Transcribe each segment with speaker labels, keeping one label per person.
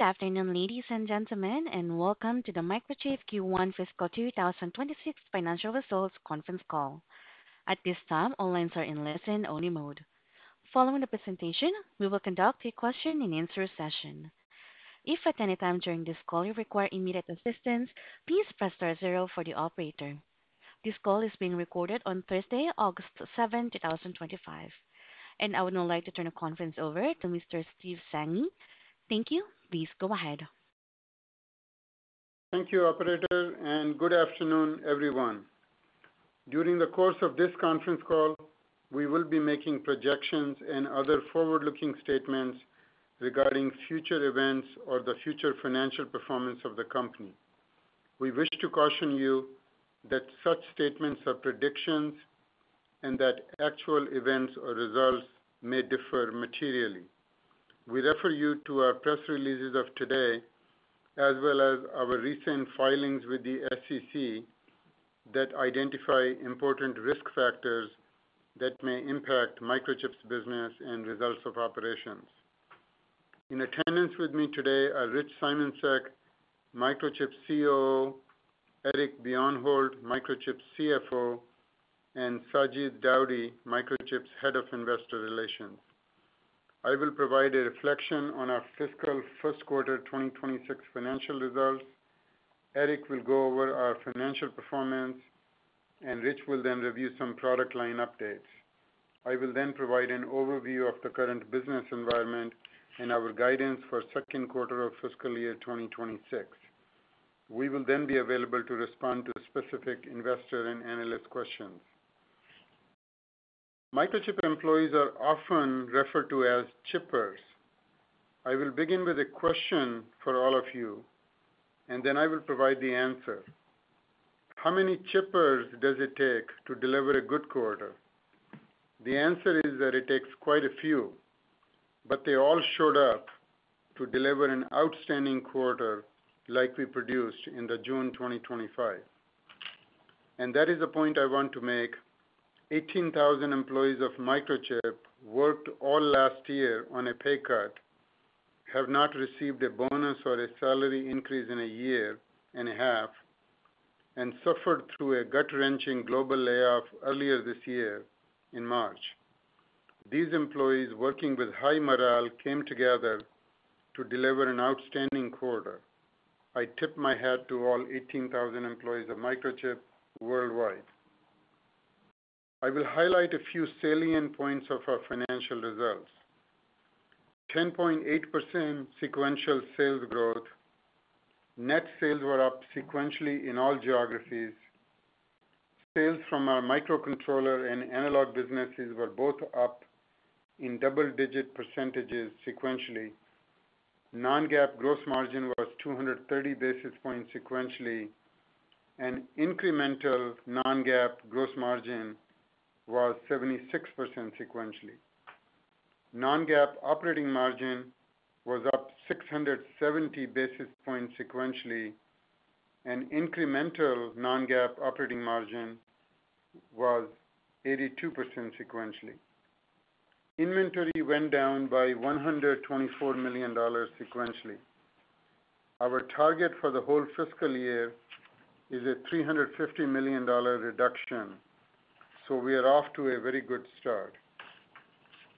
Speaker 1: Good afternoon, ladies and gentlemen, and welcome to the Microchip Technology Q1 fiscal 2026 financial results conference call. At this time, all lines are in listen-only mode. Following the presentation, we will conduct a question-and-answer session. If at any time during this call you require immediate assistance, please press star zero for the operator. This call is being recorded on Thursday, August 7, 2025. I would now like to turn the conference over to Mr. Steve Sanghi. Thank you. Please go ahead.
Speaker 2: Thank you, operator, and good afternoon, everyone. During the course of this conference call, we will be making projections and other forward-looking statements regarding future events or the future financial performance of the company. We wish to caution you that such statements are predictions and that actual events or results may differ materially. We refer you to our press releases of today, as well as our recent filings with the SEC that identify important risk factors that may impact Microchip Technology's business and results of operations. In attendance with me today are Richard Simoncic, Microchip COO; Eric Bjornholt, Microchip Technology's CFO; and Sajid Daudi, Microchip Technology's Head of Investor Relations. I will provide a reflection on our fiscal first quarter 2026 financial results. Eric will go over our financial performance, and Rich will then review some product line updates. I will then provide an overview of the current business environment and our guidance for the second quarter of fiscal year 2026. We will then be available to respond to specific investor and analyst questions. Microchip Technology employees are often referred to as chippers. I will begin with a question for all of you, and then I will provide the answer. How many chippers does it take to deliver a good quarter? The answer is that it takes quite a few, but they all showed up to deliver an outstanding quarter like we produced in June 2025. That is a point I want to make. 18,000 employees of Microchip worked all last year on a pay cut, have not received a bonus or a salary increase in a year and a half, and suffered through a gut-wrenching global layoff earlier this year in March. These employees, working with high morale, came together to deliver an outstanding quarter. I tip my hat to all 18,000 employees of Microchip worldwide. I will highlight a few salient points of our financial results. 10.8% sequential sales growth. Net sales were up sequentially in all geographies. Sales from our microcontroller and analog segments were both up in double-digit percentage sequentially. Non-GAAP gross margin was 230 basis points sequentially, and incremental non-GAAP gross margin was 76% sequentially. Non-GAAP operating margin was up 670 basis points sequentially, and incremental non-GAAP operating margin was 82% sequentially. Inventory went down by $124 million sequentially. Our target for the whole fiscal year is a $350 million reduction, so we are off to a very good start.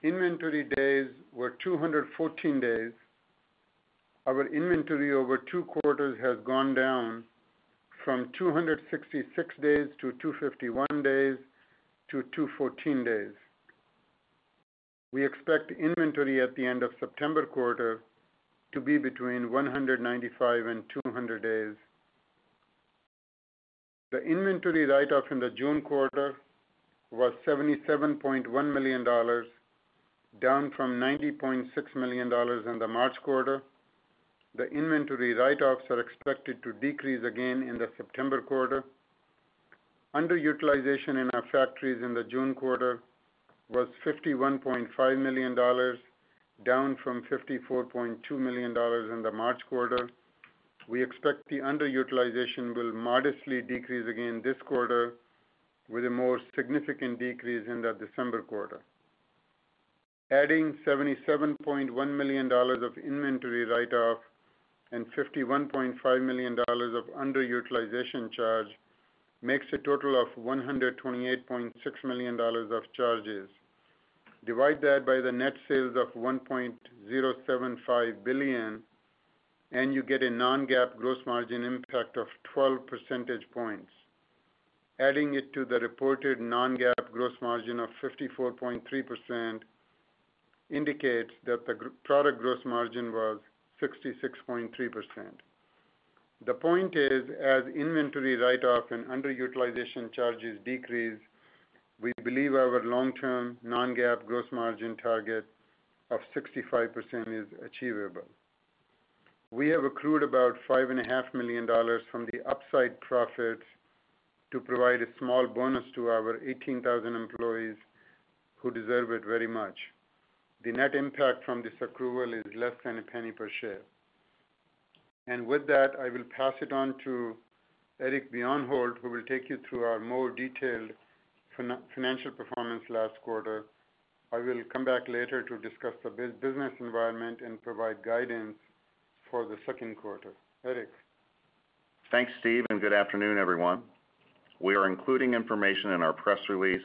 Speaker 2: Inventory days were 214 days. Our inventory over two quarters has gone down from 266 days to 251 days to 214 days. We expect inventory at the end of the September quarter to be between 195 and 200 days. The inventory write-off in the June quarter was $77.1 million, down from $90.6 million in the March quarter. The inventory write-offs are expected to decrease again in the September quarter. Underutilization in our factories in the June quarter was $51.5 million, down from $54.2 million in the March quarter. We expect the underutilization will modestly decrease again this quarter, with a more significant decrease in the December quarter. Adding $77.1 million of inventory write-off and $51.5 million of underutilization charge makes a total of $128.6 million of charges. Divide that by the net sales of $1.075 billion, and you get a non-GAAP gross margin impact of 12%. Adding it to the reported non-GAAP gross margin of 54.3% indicates that the product gross margin was 66.3%. The point is, as inventory write-off and underutilization charges decrease, we believe our long-term non-GAAP gross margin target of 65% is achievable. We have accrued about $5.5 million from the upside profits to provide a small bonus to our 18,000 employees who deserve it very much. The net impact from this accrual is less than a penny per share. I will pass it on to Eric Bjornholt, who will take you through our more detailed financial performance last quarter. I will come back later to discuss the business environment and provide guidance for the second quarter. Eric.
Speaker 3: Thanks, Steve, and good afternoon, everyone. We are including information in our press release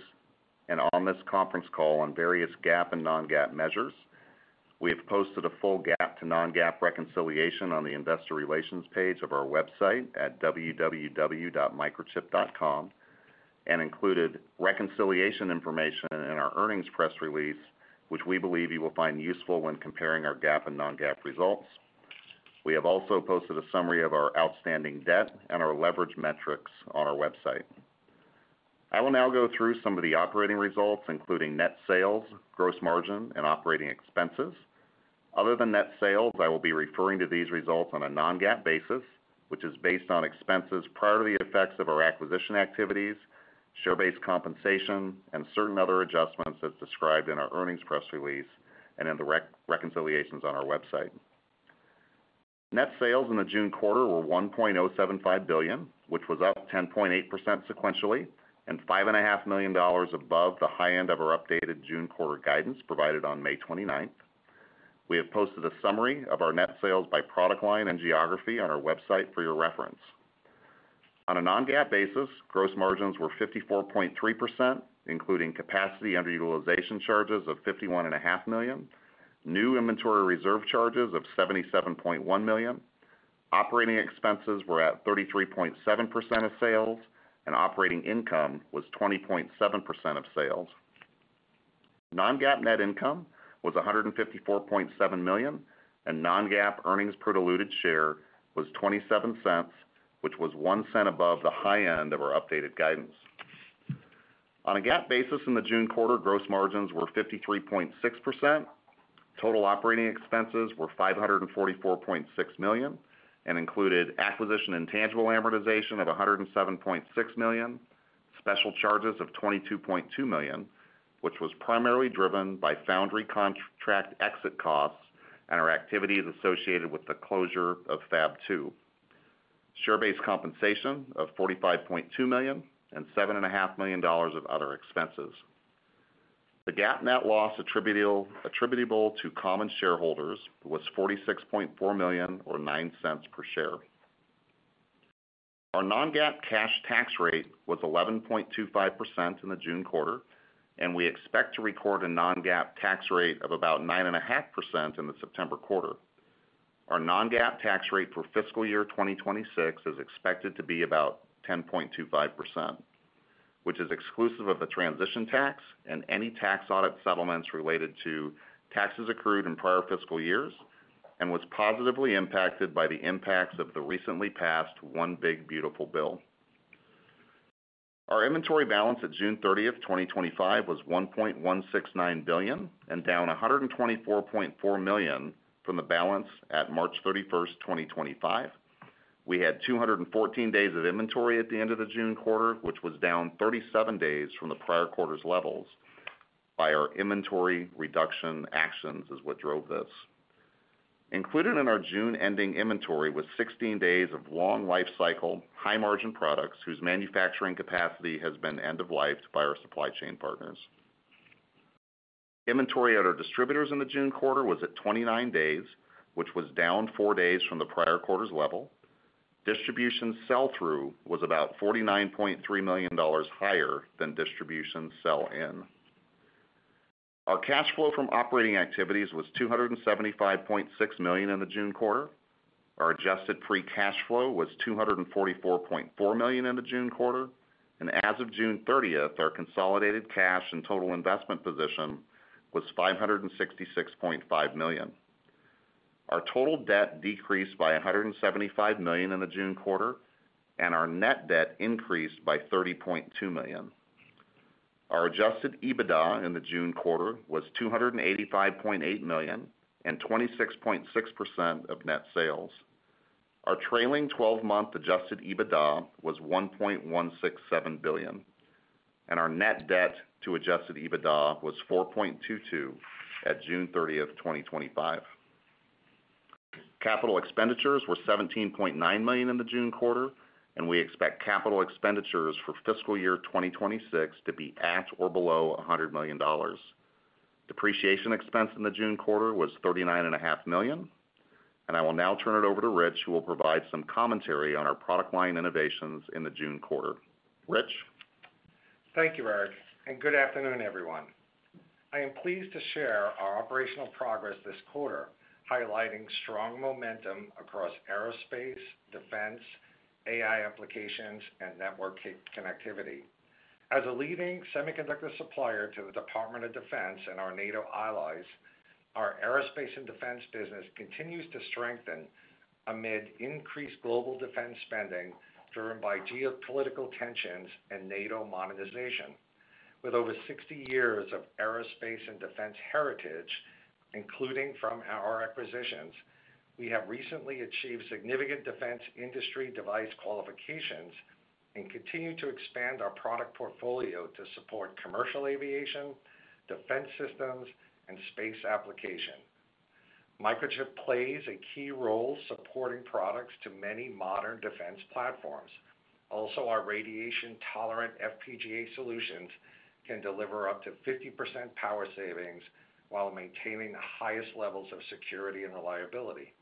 Speaker 3: and on this conference call on various GAAP and non-GAAP measures. We have posted a full GAAP to non-GAAP reconciliation on the Investor Relations page of our website at www.microchip.com and included reconciliation information in our earnings press release, which we believe you will find useful when comparing our GAAP and non-GAAP results. We have also posted a summary of our outstanding debt and our leverage metrics on our website. I will now go through some of the operating results, including net sales, gross margin, and operating expenses. Other than net sales, I will be referring to these results on a non-GAAP basis, which is based on expenses prior to the effects of our acquisition activities, share-based compensation, and certain other adjustments as described in our earnings press release and in the reconciliations on our website. Net sales in the June quarter were $1.075 billion, which was up 10.8% sequentially and $5.5 million above the high end of our updated June quarter guidance provided on May 29th. We have posted a summary of our net sales by product line and geography on our website for your reference. On a non-GAAP basis, gross margins were 54.3%, including capacity underutilization charges of $51.5 million, new inventory reserve charges of $77.1 million. Operating expenses were at 33.7% of sales, and operating income was 20.7% of sales. Non-GAAP net income was $154.7 million, and non-GAAP earnings per diluted share was $0.27, which was $0.01 above the high end of our updated guidance. On a GAAP basis, in the June quarter, gross margins were 53.6%. Total operating expenses were $544.6 million and included acquisition and tangible amortization of $107.6 million, special charges of $22.2 million, which was primarily driven by foundry contract exit costs and our activities associated with the closure of Fab 2, share-based compensation of $45.2 million, and $7.5 million of other expenses. The GAAP net loss attributable to common shareholders was $46.4 million or $0.09 per share. Our non-GAAP cash tax rate was 11.25% in the June quarter, and we expect to record a non-GAAP tax rate of about 9.5% in the September quarter. Our non-GAAP tax rate for fiscal year 2026 is expected to be about 10.25%, which is exclusive of the transition tax and any tax audit settlements related to taxes accrued in prior fiscal years and was positively impacted by the impacts of the recently passed One Big Beautiful Bill. Our inventory balance at June 30th, 2025, was $1.169 billion and down $124.4 million from the balance at March 31, 2025. We had 214 days of inventory at the end of the June quarter, which was down 37 days from the prior quarter's levels. Our inventory reduction actions is what drove this. Included in our June ending inventory was 16 days of long life cycle, high-margin products whose manufacturing capacity has been end of life by our supply chain partners. Inventory at our distributors in the June quarter was at 29 days, which was down four days from the prior quarter's level. Distribution sell-through was about $49.3 million higher than distribution sell-in. Our cash flow from operating activities was $275.6 million in the June quarter. Our adjusted free cash flow was $244.4 million in the June quarter, and as of June 30th, our consolidated cash and total investment position was $566.5 million. Our total debt decreased by $175 million in the June quarter, and our net debt increased by $30.2 million. Our adjusted EBITDA in the June quarter was $285.8 million and 26.6% of net sales. Our trailing 12-month adjusted EBITDA was $1.167 billion, and our net debt to adjusted EBITDA was $4.22 at June 30th, 2025. Capital expenditures were $17.9 million in the June quarter, and we expect capital expenditures for fiscal year 2026 to be at or below $100 million. Depreciation expense in the June quarter was $39.5 million, and I will now turn it over to Rich, who will provide some commentary on our product line innovations in the June quarter. Rich?
Speaker 4: Thank you, Eric, and good afternoon, everyone. I am pleased to share our operational progress this quarter, highlighting strong momentum across aerospace, defense, AI applications, and network connectivity. As a leading semiconductor supplier to the Department of Defense and our NATO allies, our aerospace and defense business continues to strengthen amid increased global defense spending driven by geopolitical tensions and NATO modernization. With over 60 years of aerospace and defense heritage, including from our acquisitions, we have recently achieved significant defense industry device qualifications and continue to expand our product portfolio to support commercial aviation, defense systems, and space application. Microchip plays a key role supporting products to many modern defense platforms. Also, our radiation-tolerant FPGAs can deliver up to 50% power savings while maintaining the highest levels of security and reliability.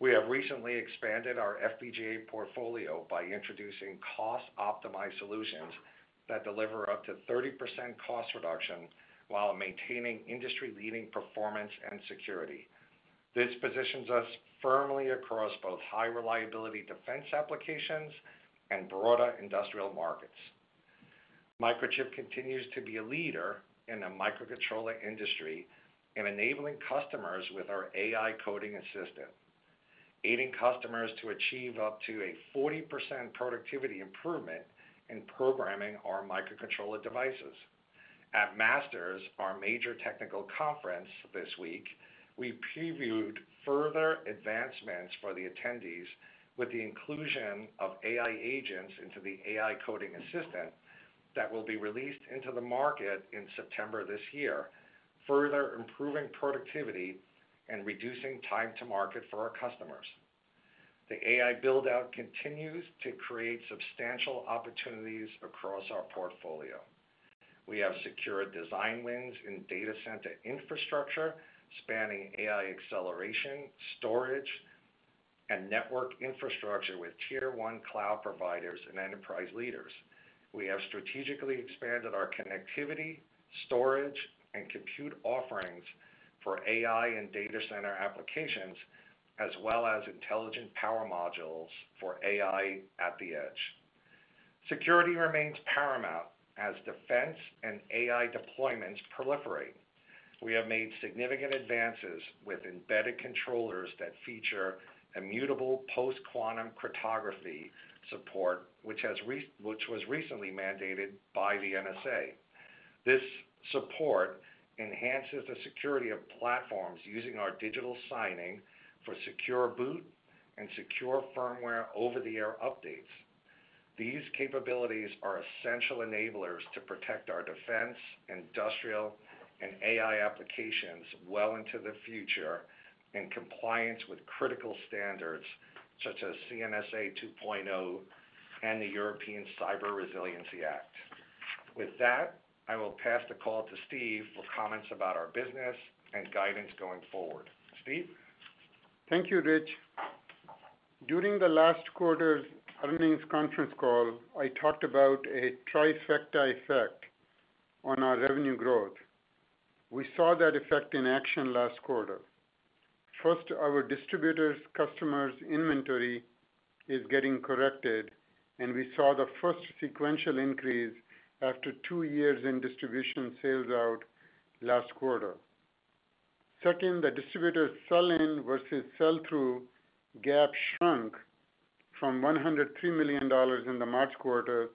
Speaker 4: We have recently expanded our FPGA portfolio by introducing cost-optimized solutions that deliver up to 30% cost reduction while maintaining industry-leading performance and security. This positions us firmly across both high-reliability defense applications and broader industrial markets. Microchip continues to be a leader in the microcontroller industry in enabling customers with our AI coding assistant, aiding customers to achieve up to a 40% productivity improvement in programming our microcontroller devices. At Masters, our major technical conference this week, we previewed further advancements for the attendees with the inclusion of AI agents into the AI coding assistant that will be released into the market in September this year, further improving productivity and reducing time to market for our customers. The AI buildout continues to create substantial opportunities across our portfolio. We have secured design wins in data center infrastructure, spanning AI acceleration, storage, and network infrastructure with tier-one cloud providers and enterprise leaders. We have strategically expanded our connectivity, storage, and compute offerings for AI and data center applications, as well as intelligent power modules for AI at the edge. Security remains paramount as defense and AI deployments proliferate. We have made significant advances with embedded controllers that feature immutable post-quantum cryptography support, which was recently mandated by the NSA. This support enhances the security of platforms using our digital signing for secure boot and secure firmware over-the-air updates. These capabilities are essential enablers to protect our defense, industrial, and AI applications well into the future in compliance with critical standards such as CNSA 2.0 and the European Cyber Resiliency Act. With that, I will pass the call to Steve for comments about our business and guidance going forward. Steve?
Speaker 2: Thank you, Rich. During the last quarter's earnings conference call, I talked about a trifecta effect on our revenue growth. We saw that effect in action last quarter. First, our distributors' customers' inventory is getting corrected, and we saw the first sequential increase after two years in distribution sales out last quarter. Second, the distributors' sell-in versus sell-through gap shrunk from $103 million in the March quarter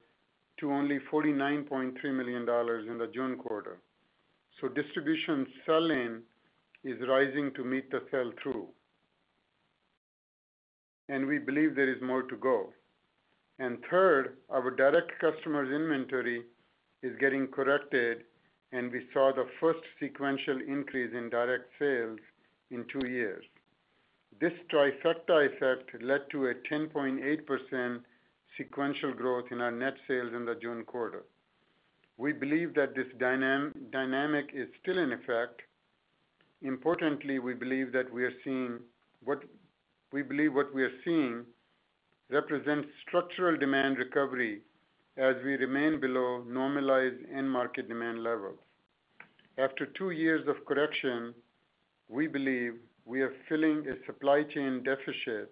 Speaker 2: to only $49.3 million in the June quarter. Distribution sell-in is rising to meet the sell-through, and we believe there is more to go. Third, our direct customers' inventory is getting corrected, and we saw the first sequential increase in direct sales in two years. This trifecta effect led to a 10.8% sequential growth in our net sales in the June quarter. We believe that this dynamic is still in effect. Importantly, we believe that what we are seeing represents structural demand recovery as we remain below normalized end market demand levels. After two years of correction, we believe we are filling a supply chain deficit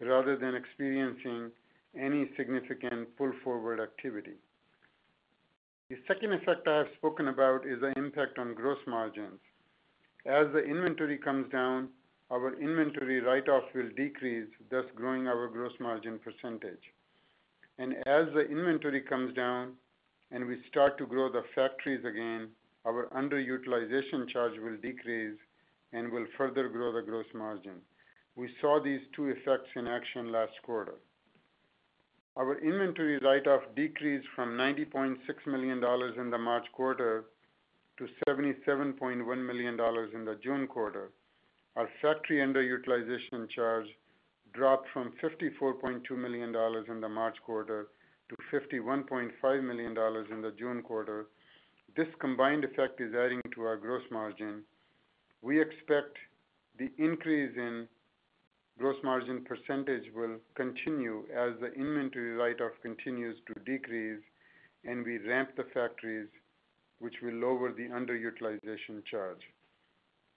Speaker 2: rather than experiencing any significant pull-forward activity. The second effect I have spoken about is the impact on gross margins. As the inventory comes down, our inventory write-offs will decrease, thus growing our gross margin percentage. As the inventory comes down and we start to grow the factories again, our underutilization charge will decrease and will further grow the gross margin. We saw these two effects in action last quarter. Our inventory write-off decreased from $90.6 million in the March quarter to $77.1 million in the June quarter. Our factory underutilization charge dropped from $54.2 million in the March quarter to $51.5 million in the June quarter. This combined effect is adding to our gross margin. We expect the increase in gross margin percentage will continue as the inventory write-off continues to decrease, and we ramp the factories, which will lower the underutilization charge.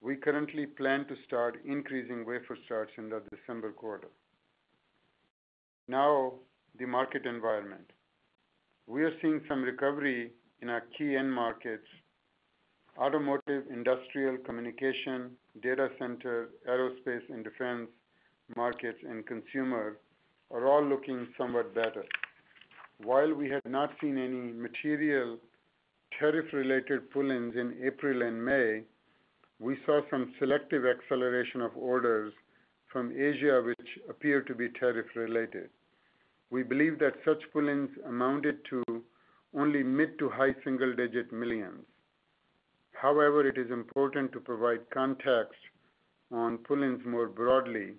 Speaker 2: We currently plan to start increasing wafer starts in the December quarter. Now, the market environment. We are seeing some recovery in our key end markets. Automotive, industrial, communication, data center, aerospace, and defense markets and consumer are all looking somewhat better. While we had not seen any material tariff-related pull-ins in April and May, we saw some selective acceleration of orders from Asia, which appear to be tariff-related. We believe that such pull-ins amounted to only mid to high single-digit millions. However, it is important to provide context on pull-ins more broadly.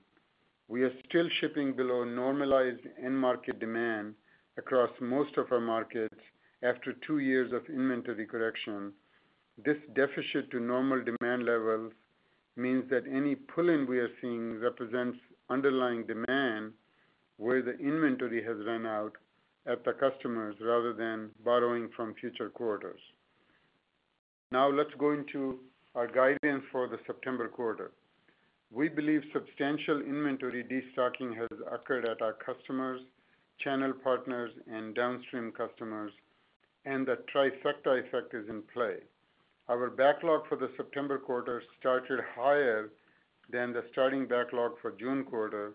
Speaker 2: We are still shipping below normalized end market demand across most of our markets after two years of inventory correction. This deficit to normal demand levels means that any pull-in we are seeing represents underlying demand where the inventory has run out at the customers rather than borrowing from future quarters. Now, let's go into our guidance for the September quarter. We believe substantial inventory destocking has occurred at our customers, channel partners, and downstream customers, and the trifecta effect is in play. Our backlog for the September quarter started higher than the starting backlog for the June quarter,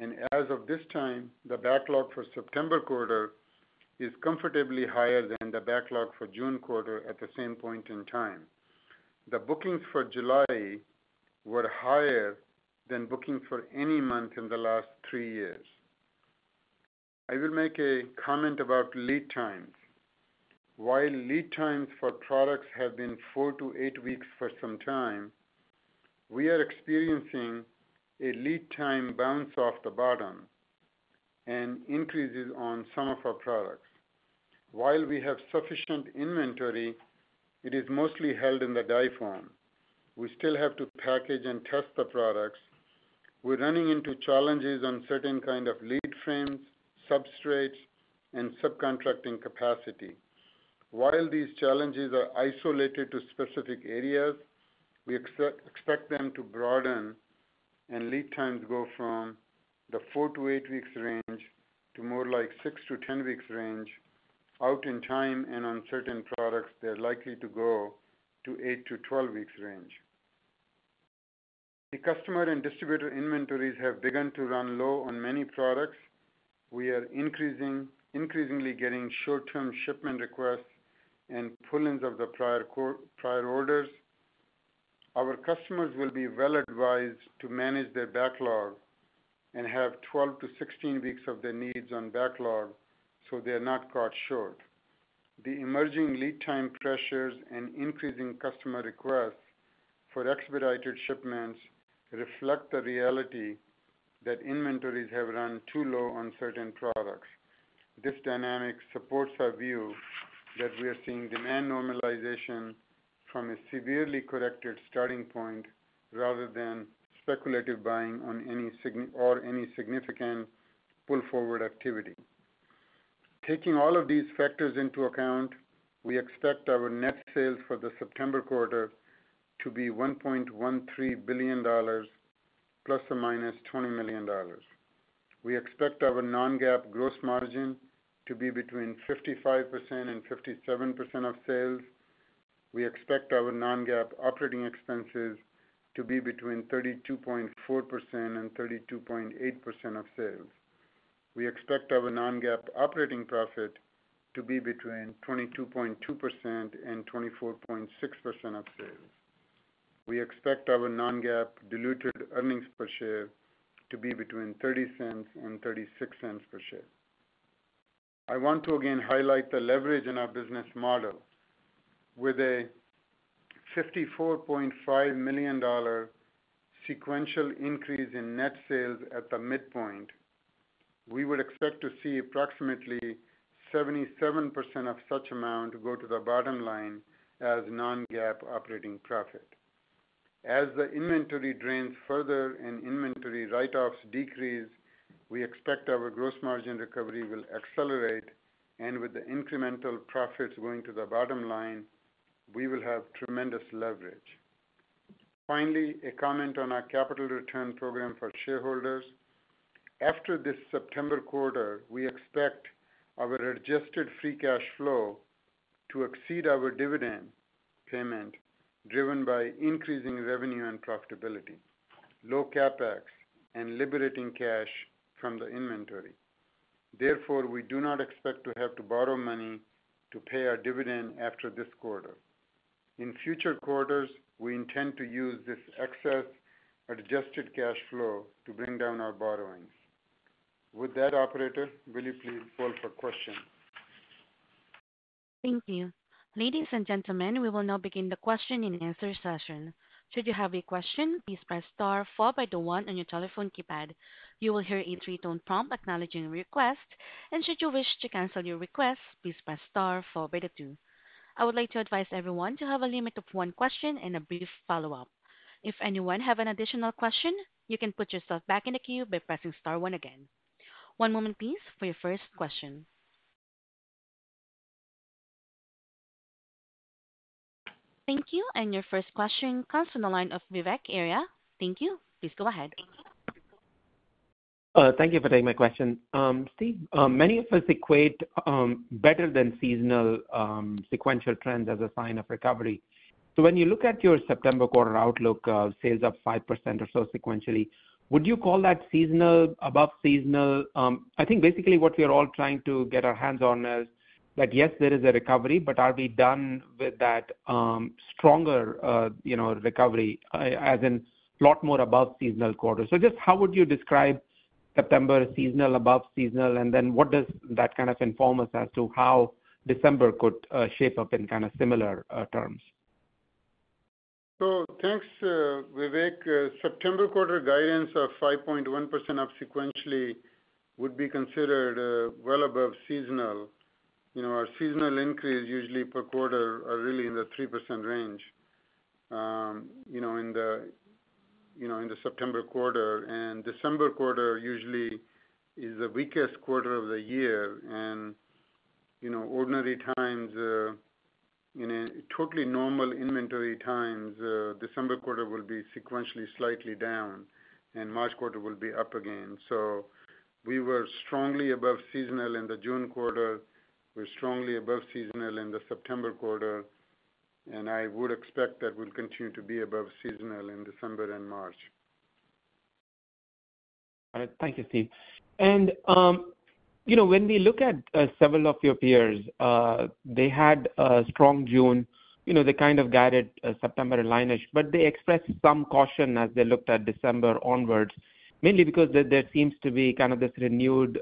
Speaker 2: and as of this time, the backlog for September quarter is comfortably higher than the backlog for June quarter at the same point in time. The bookings for July were higher than bookings for any month in the last three years. I will make a comment about lead times. While lead times for products have been four to eight weeks for some time, we are experiencing a lead time bounce off the bottom and increases on some of our products. While we have sufficient inventory, it is mostly held in the dry form. We still have to package and test the products. We're running into challenges on certain kinds of lead frames, substrates, and subcontracting capacity. While these challenges are isolated to specific areas, we expect them to broaden, and lead times go from the four to eight weeks range to more like six to ten weeks range. Out in time and on certain products, they're likely to go to eight to twelve weeks range. The customer and distributor inventories have begun to run low on many products. We are increasingly getting short-term shipment requests and pull-ins of the prior orders. Our customers will be well advised to manage their backlog and have 12-16 weeks of their needs on backlog so they are not caught short. The emerging lead time pressures and increasing customer requests for expedited shipments reflect the reality that inventories have run too low on certain products. This dynamic supports our view that we are seeing demand normalization from a severely corrected starting point rather than speculative buying or any significant pull-forward activity. Taking all of these factors into account, we expect our net sales for the September quarter to be $1.13 billion ± $20 million. We expect our non-GAAP gross margin to be between 55% and 57% of sales. We expect our non-GAAP operating expenses to be between 32.4% and 32.8% of sales. We expect our non-GAAP operating profit to be between 22.2% and 24.6% of sales. We expect our non-GAAP diluted earnings per share to be between $0.30 and $0.36 per share. I want to again highlight the leverage in our business model. With a $54.5 million sequential increase in net sales at the midpoint, we would expect to see approximately 77% of such amount go to the bottom line as non-GAAP operating profit. As the inventory drains further and inventory write-offs decrease, we expect our gross margin recovery will accelerate, and with the incremental profits going to the bottom line, we will have tremendous leverage. Finally, a comment on our capital return program for shareholders. After this September quarter, we expect our adjusted free cash flow to exceed our dividend payment driven by increasing revenue and profitability, low CapEx, and liberating cash from the inventory. Therefore, we do not expect to have to borrow money to pay our dividend after this quarter. In future quarters, we intend to use this excess adjusted cash flow to bring down our borrowings. With that, operator, will you please fold for questions?
Speaker 1: Thank you. Ladies and gentlemen, we will now begin the question-and-answer session. Should you have a question, please press star followed by the one on your telephone keypad. You will hear a three-tone prompt acknowledging your request, and should you wish to cancel your request, please press star followed by the two. I would like to advise everyone to have a limit of one question and a brief follow-up. If anyone has an additional question, you can put yourself back in the queue by pressing star one again. One moment, please, for your first question. Thank you, and your first question comes from the line of Vivek Arya. Thank you. Please go ahead.
Speaker 5: Thank you for taking my question. Steve, many of us equate better than seasonal sequential trends as a sign of recovery. When you look at your September quarter outlook of sales up 5% or so sequentially, would you call that seasonal or above seasonal? I think basically what we are all trying to get our hands on is that, yes, there is a recovery, but are we done with that stronger recovery, as in a lot more above seasonal quarters? How would you describe September, seasonal or above seasonal, and what does that kind of inform us as to how December could shape up in similar terms?
Speaker 2: The September quarter guidance of 5.1% up sequentially would be considered well above seasonal. Our seasonal increase usually per quarter is really in the 3% range in the September quarter, and the December quarter usually is the weakest quarter of the year. In ordinary times, in a totally normal inventory times, the December quarter will be sequentially slightly down, and the March quarter will be up again. We were strongly above seasonal in the June quarter. We're strongly above seasonal in the September quarter, and I would expect that we'll continue to be above seasonal in December and March.
Speaker 5: Thank you, Steve. When we look at several of your peers, they had a strong June. They kind of guided September in a line-ish, but they expressed some caution as they looked at December onwards, mainly because there seems to be this renewed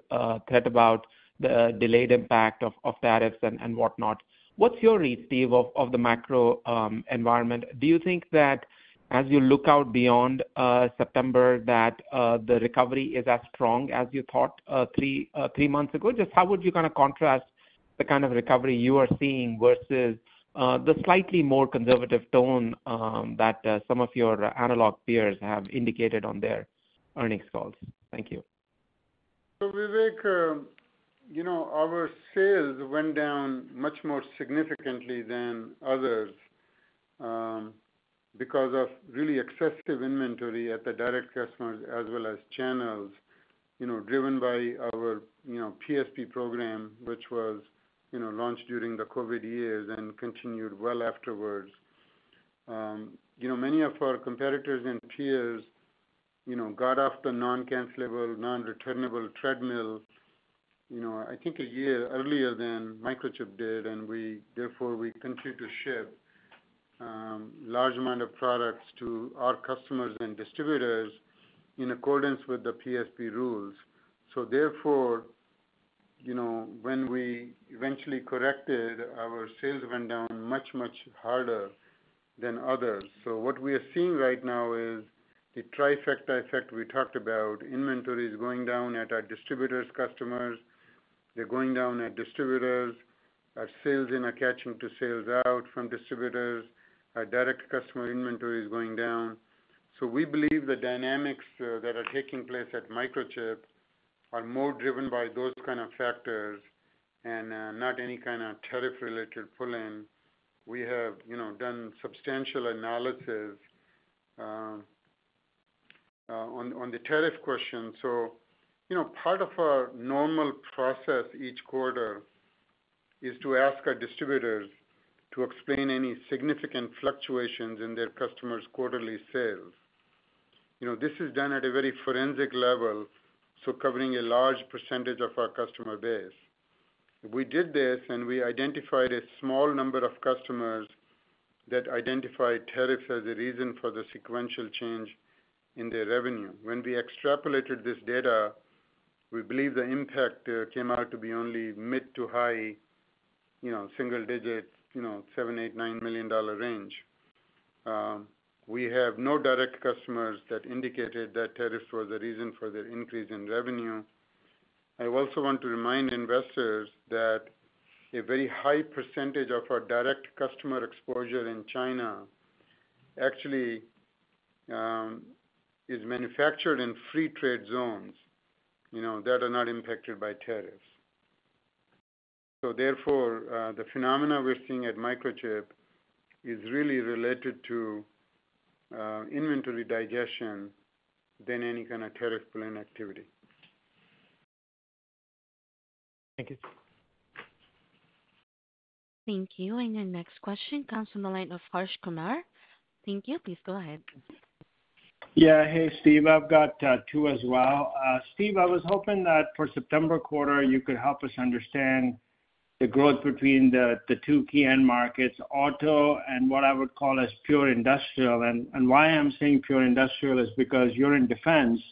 Speaker 5: threat about the delayed impact of tariffs and whatnot. What's your read, Steve, of the macro environment? Do you think that as you look out beyond September, that the recovery is as strong as you thought three months ago? How would you kind of contrast the kind of recovery you are seeing versus the slightly more conservative tone that some of your analog peers have indicated on their earnings calls? Thank you.
Speaker 2: Vivek, our sales went down much more significantly than others because of really excessive inventory at the direct customers as well as channels, driven by our PSP program, which was launched during the COVID years and continued well afterwards. Many of our competitors and peers got off the non-cancelable, non-returnable treadmill, I think a year earlier than Microchip did, and we therefore continued to ship a large amount of products to our customers and distributors in accordance with the PSP rules. Therefore, when we eventually corrected, our sales went down much, much harder than others. What we are seeing right now is the trifecta effect we talked about. Inventory is going down at our distributors' customers. They're going down at distributors. Our sales in are catching to sales out from distributors. Our direct customer inventory is going down. We believe the dynamics that are taking place at Microchip are more driven by those kinds of factors and not any kind of tariff-related pull-in. We have done substantial analysis on the tariff question. Part of our normal process each quarter is to ask our distributors to explain any significant fluctuations in their customers' quarterly sales. This is done at a very forensic level, covering a large percentage of our customer base. We did this, and we identified a small number of customers that identified tariffs as a reason for the sequential change in their revenue. When we extrapolated this data, we believe the impact came out to be only mid to high single-digit, $7 million, $8 million, $9 million range. We have no direct customers that indicated that tariffs were the reason for their increase in revenue. I also want to remind investors that a very high percentage of our direct customer exposure in China actually is manufactured in free trade zones that are not impacted by tariffs. Therefore, the phenomena we're seeing at Microchip is really related to inventory digestion than any kind of tariff pull-in activity.
Speaker 5: Thank you.
Speaker 1: Thank you. Our next question comes from the line of Harsh Kumar. Thank you. Please go ahead.
Speaker 6: Yeah. Hey, Steve. I've got two as well. Steve, I was hoping that for the September quarter, you could help us understand the growth between the two key end markets, auto and what I would call as pure industrial. Why I'm saying pure industrial is because you're in defense,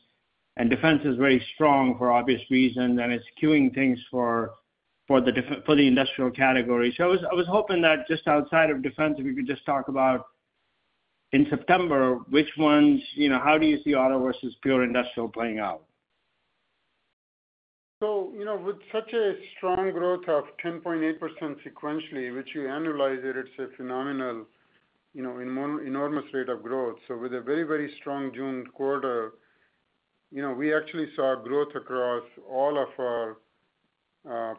Speaker 6: and defense is very strong for obvious reasons, and it's queuing things for the industrial category. I was hoping that just outside of defense, if you could just talk about in September, which ones, you know, how do you see auto versus pure industrial playing out?
Speaker 2: With such a strong growth of 10.8% sequentially, which you analyzed, it's a phenomenal, in enormous rate of growth. With a very, very strong June quarter, we actually saw growth across all of our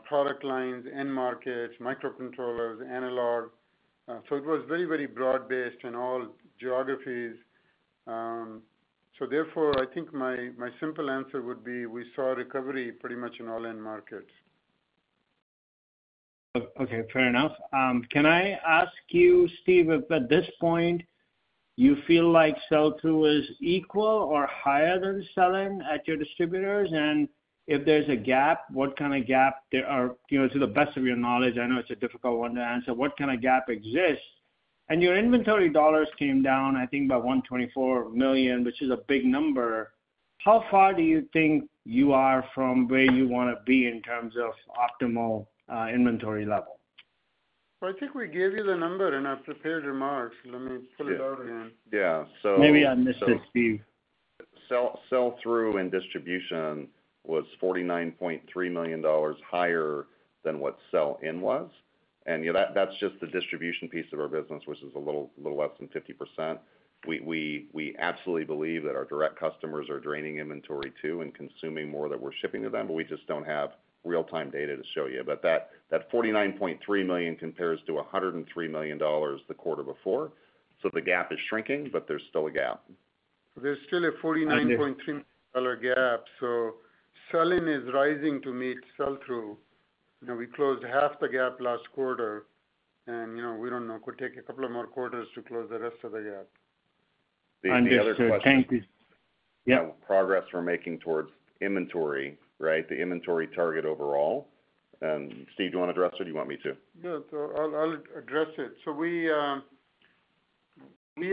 Speaker 2: product lines, end markets, microcontrollers, analog. It was very, very broad-based in all geographies. Therefore, I think my simple answer would be we saw recovery pretty much in all end markets.
Speaker 6: Okay. Fair enough. Can I ask you, Steve, if at this point you feel like sell-through is equal or higher than sell-in at your distributors? If there's a gap, what kind of gap, or to the best of your knowledge, I know it's a difficult one to answer, what kind of gap exists? Your inventory dollars came down, I think, by $124 million, which is a big number. How far do you think you are from where you want to be in terms of optimal inventory level?
Speaker 2: I think we gave you the number in our prepared remarks. Let me pull it out again.
Speaker 3: Yeah. So.
Speaker 6: Maybe I missed it, Steve.
Speaker 3: Sell-through in distribution was $49.3 million higher than what sell-in was. That's just the distribution piece of our business, which is a little less than 50%. We absolutely believe that our direct customers are draining inventory too and consuming more than we're shipping to them, but we just don't have real-time data to show you. That $49.3 million compares to $103 million the quarter before. The gap is shrinking, but there's still a gap.
Speaker 2: There's still a $49.3 million gap. Sell-in is rising to meet sell-through. We closed half the gap last quarter, and we don't know. It could take a couple of more quarters to close the rest of the gap.
Speaker 3: Thank you. The other question.
Speaker 6: Thank you.
Speaker 3: Yeah, progress we're making towards inventory, right? The inventory target overall. Steve, do you want to address it or do you want me to?
Speaker 2: Yeah. I'll address it. We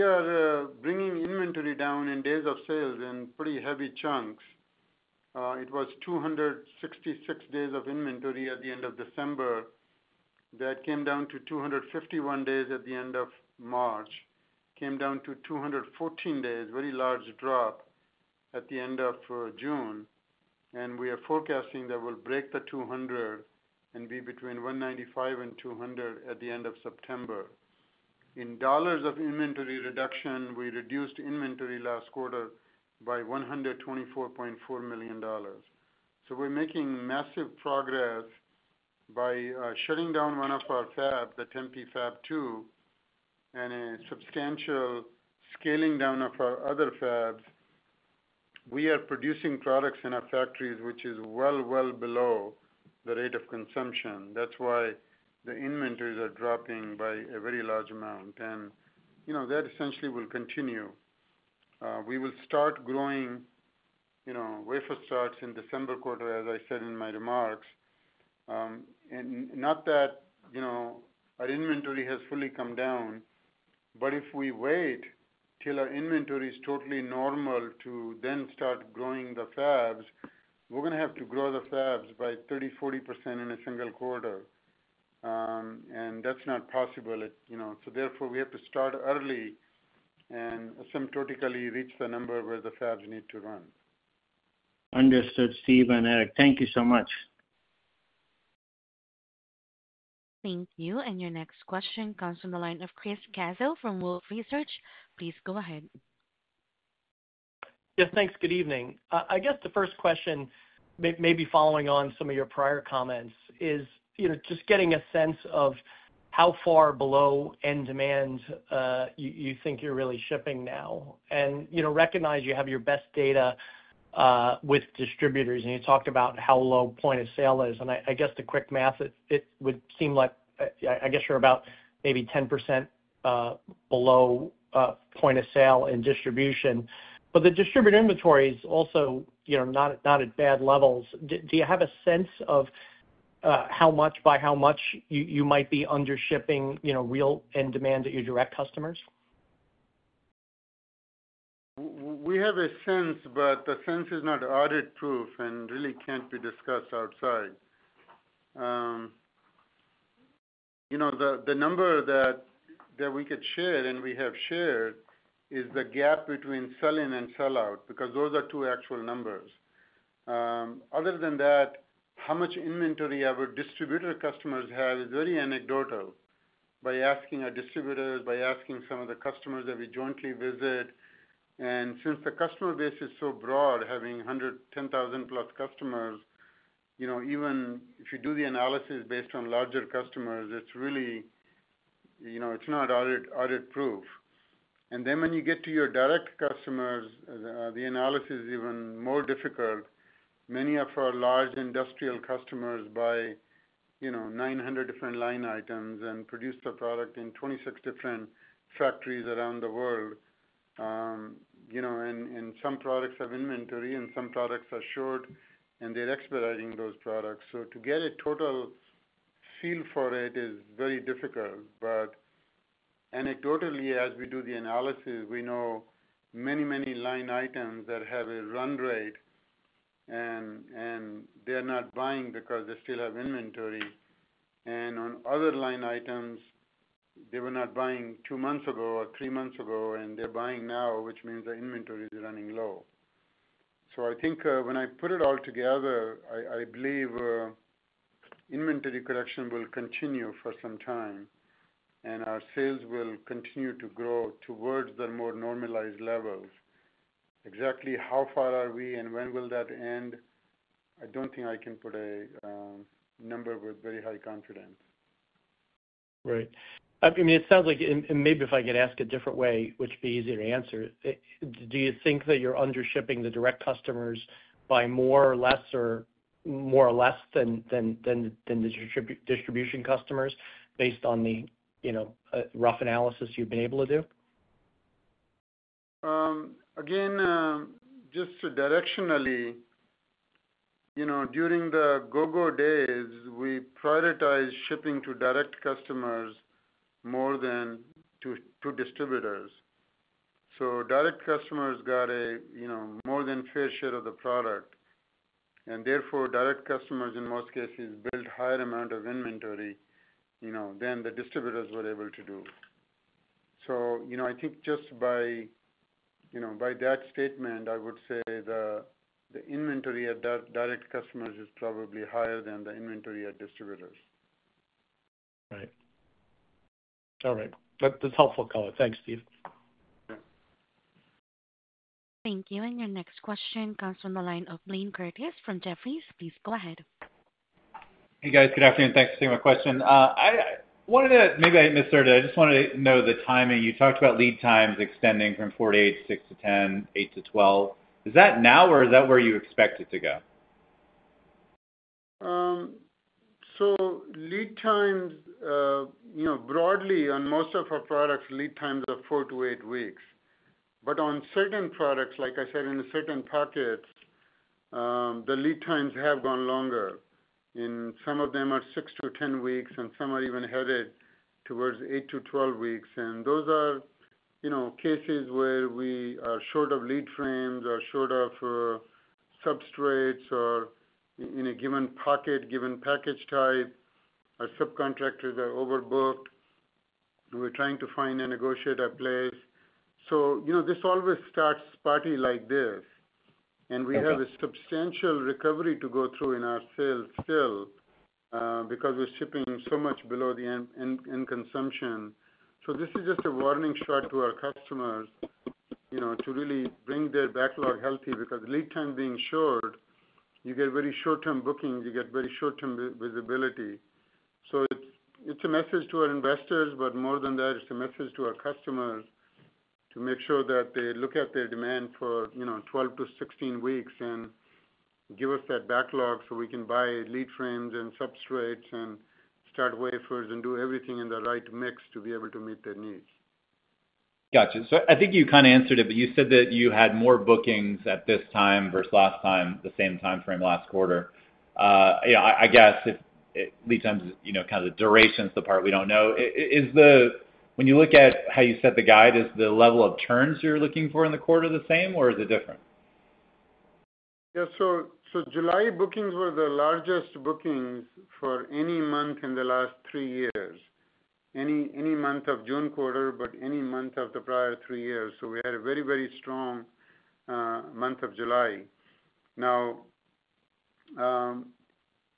Speaker 2: are bringing inventory down in days of sales in pretty heavy chunks. It was 266 days of inventory at the end of December. That came down to 251 days at the end of March. Came down to 214 days, very large drop at the end of June. We are forecasting that we'll break the 200 and be between 195 and 200 at the end of September. In dollars of inventory reduction, we reduced inventory last quarter by $124.4 million. We're making massive progress by shutting down one of our fabs, the Tempe Fab 2, and a substantial scaling down of our other fabs. We are producing products in our factories, which is well, well below the rate of consumption. That's why the inventories are dropping by a very large amount. That essentially will continue. We will start growing wafer starts in December quarter, as I said in my remarks. Not that our inventory has fully come down, but if we wait till our inventory is totally normal to then start growing the fabs, we're going to have to grow the fabs by 30%-40% in a single quarter. That's not possible. Therefore, we have to start early and asymptotically reach the number where the fabs need to run.
Speaker 6: Understood, Steve and Eric. Thank you so much.
Speaker 1: Thank you. Your next question comes from the line of Chris Caso from Wolfe Research. Please go ahead.
Speaker 7: Yeah. Thanks. Good evening. I guess the first question, maybe following on some of your prior comments, is, you know, just getting a sense of how far below end demand you think you're really shipping now. You know, recognize you have your best data with distributors, and you talked about how low point of sale is. I guess the quick math, it would seem like I guess you're about maybe 10% below point of sale in distribution. The distributor inventory is also, you know, not at bad levels. Do you have a sense of how much, by how much, you might be undershipping, you know, real end demand at your direct customers?
Speaker 2: We have a sense, but the sense is not audit-proof and really can't be discussed outside. The number that we could share, and we have shared, is the gap between sell-in and sell-out because those are two actual numbers. Other than that, how much inventory our distributor customers have is very anecdotal by asking our distributors, by asking some of the customers that we jointly visit. Since the customer base is so broad, having 110,000+ customers, even if you do the analysis based on larger customers, it's really not audit-proof. When you get to your direct customers, the analysis is even more difficult. Many of our large industrial customers buy 900 different line items and produce the product in 26 different factories around the world. Some products have inventory and some products are short, and they're expediting those products. To get a total feel for it is very difficult. Anecdotally, as we do the analysis, we know many, many line items that have a run rate and they're not buying because they still have inventory. On other line items, they were not buying two months ago or three months ago, and they're buying now, which means the inventory is running low. I think when I put it all together, I believe inventory correction will continue for some time, and our sales will continue to grow towards the more normalized levels. Exactly how far are we and when will that end? I don't think I can put a number with very high confidence.
Speaker 7: Right. I mean, it sounds like, and maybe if I could ask a different way, which would be easier to answer, do you think that you're undershipping the direct customers by more or less than the distribution customers based on the, you know, rough analysis you've been able to do?
Speaker 2: Again, just directionally, during the Gogo days, we prioritized shipping to direct customers more than to distributors. Direct customers got a more than fair share of the product. Therefore, direct customers, in most cases, built a higher amount of inventory than the distributors were able to do. I think just by that statement, I would say the inventory at direct customers is probably higher than the inventory at distributors.
Speaker 7: Right. All right. That's helpful, Kumar. Thanks, Steve.
Speaker 1: Thank you. Your next question comes from the line of Blayne Curtis from Jefferies. Please go ahead.
Speaker 8: Hey, guys. Good afternoon. Thanks for taking my question. I wanted to, maybe I misheard it. I just wanted to know the timing. You talked about lead times extending from 4%-8%, 6%-10%, 8%-12%. Is that now, or is that where you expect it to go?
Speaker 2: Lead times, you know, broadly on most of our products, lead times are four to eight weeks. On certain products, like I said, in certain packets, the lead times have gone longer, and some of them are 6-10 weeks, and some are even headed towards 8-12 weeks. Those are cases where we are short of lead frames or short of substrates or in a given packet, given package type. Our subcontractors are overbooked. We're trying to find a negotiated place. This always starts spotty like this. We have a substantial recovery to go through in our sales still because we're shipping so much below the end consumption. This is just a warning shot to our customers to really bring their backlog healthy because lead time being short, you get very short-term bookings, you get very short-term visibility. It's a message to our investors, but more than that, it's a message to our customers to make sure that they look at their demand for 12-16 weeks and give us that backlog so we can buy lead frames and substrates and start wafers and do everything in the right mix to be able to meet their needs.
Speaker 8: Gotcha. I think you kind of answered it, but you said that you had more bookings at this time versus last time, the same timeframe last quarter. I guess if lead times, kind of the duration is the part we don't know. When you look at how you set the guide, is the level of turns you're looking for in the quarter the same, or is it different?
Speaker 2: July bookings were the largest bookings for any month in the last three years, any month of June quarter, but any month of the prior three years. We had a very, very strong month of July. Now,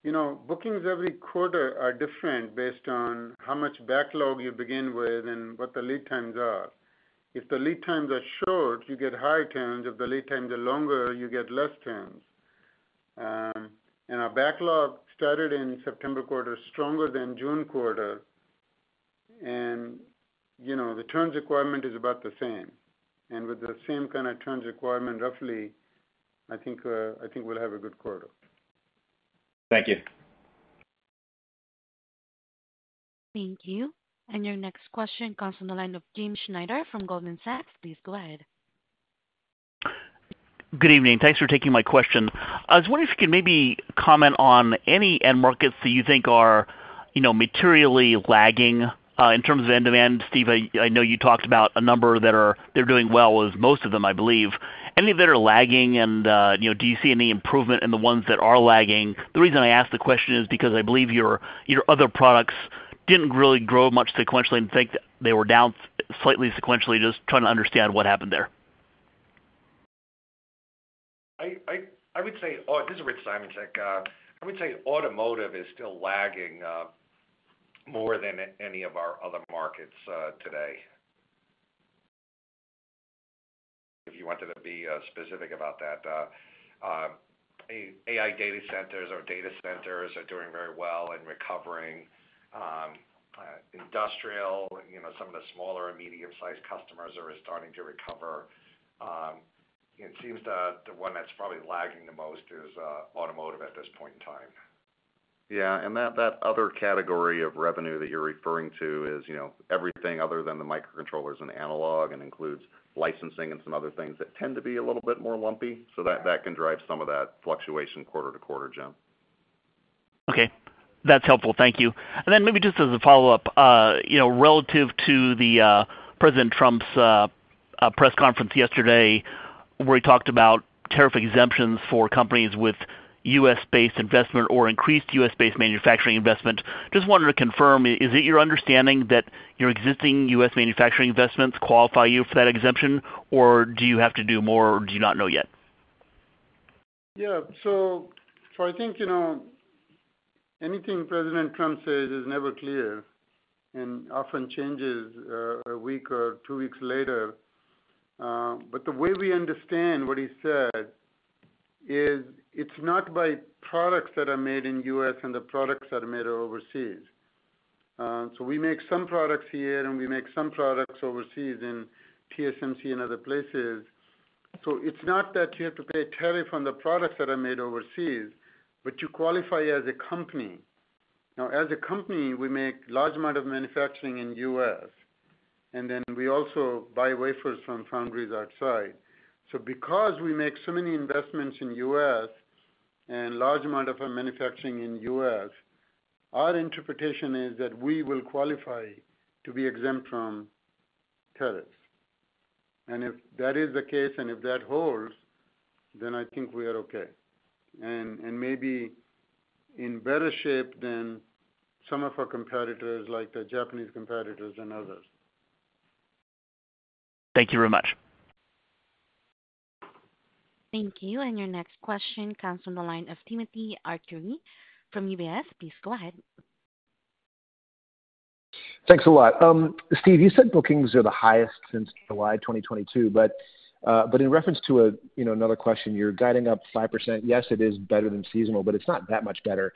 Speaker 2: you know, bookings every quarter are different based on how much backlog you begin with and what the lead times are. If the lead times are short, you get high turns. If the lead times are longer, you get less turns. Our backlog started in September quarter stronger than June quarter. You know, the turns requirement is about the same. With the same kind of turns requirement, roughly, I think we'll have a good quarter.
Speaker 8: Thank you.
Speaker 1: Thank you. Your next question comes from the line of James Schneider from Goldman Sachs. Please go ahead.
Speaker 9: Good evening. Thanks for taking my question. I was wondering if you could maybe comment on any end markets that you think are materially lagging in terms of end demand. Steve, I know you talked about a number that are doing well, as most of them, I believe. Any of that are lagging, and do you see any improvement in the ones that are lagging? The reason I asked the question is because I believe your other products didn't really grow much sequentially. In fact, they were down slightly sequentially, just trying to understand what happened there.
Speaker 4: I would say this is Richard Simoncic. I would say automotive is still lagging more than any of our other markets today. If you wanted to be specific about that, AI data centers or data centers are doing very well and recovering. Industrial, you know, some of the smaller and medium-sized customers are starting to recover. It seems that the one that's probably lagging the most is automotive at this point in time.
Speaker 3: Yes, and that other category of revenue that you're referring to is, you know, everything other than the microcontrollers and analog and includes licensing and some other things that tend to be a little bit more lumpy. That can drive some of that fluctuation quarter to quarter, Jim.
Speaker 9: Okay. That's helpful. Thank you. Maybe just as a follow-up, you know, relative to President Trump's press conference yesterday where he talked about tariff exemptions for companies with U.S.-based investment or increased U.S.-based manufacturing investment, just wanted to confirm, is it your understanding that your existing U.S. manufacturing investments qualify you for that exemption, or do you have to do more, or do you not know yet?
Speaker 2: I think, you know, anything President Trump says is never clear and often changes a week or two weeks later. The way we understand what he said is it's not by products that are made in the U.S. and the products that are made overseas. We make some products here and we make some products overseas in TSMC and other places. It's not that you have to pay a tariff on the products that are made overseas, but you qualify as a company. Now, as a company, we make a large amount of manufacturing in the U.S., and then we also buy wafers from foundries outside. Because we make so many investments in the U.S. and a large amount of our manufacturing in the U.S., our interpretation is that we will qualify to be exempt from tariffs. If that is the case and if that holds, I think we are okay and maybe in better shape than some of our competitors, like the Japanese competitors and others.
Speaker 9: Thank you very much.
Speaker 1: Thank you. Your next question comes from the line of Timothy Arcuri from UBS. Please go ahead.
Speaker 10: Thanks a lot. Steve, you said bookings are the highest since July 2022, but in reference to another question, you're guiding up 5%. Yes, it is better than seasonal, but it's not that much better.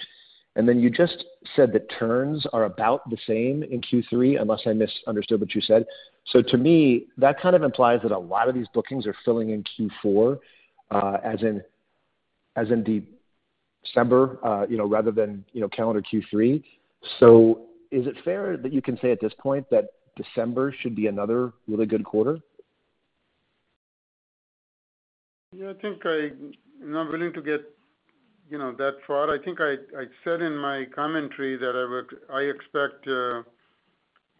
Speaker 10: You just said that turns are about the same in Q3, unless I misunderstood what you said. To me, that kind of implies that a lot of these bookings are filling in Q4, as in December, rather than calendar Q3. Is it fair that you can say at this point that December should be another really good quarter?
Speaker 2: I think I'm not willing to get that far. I think I said in my commentary that I expect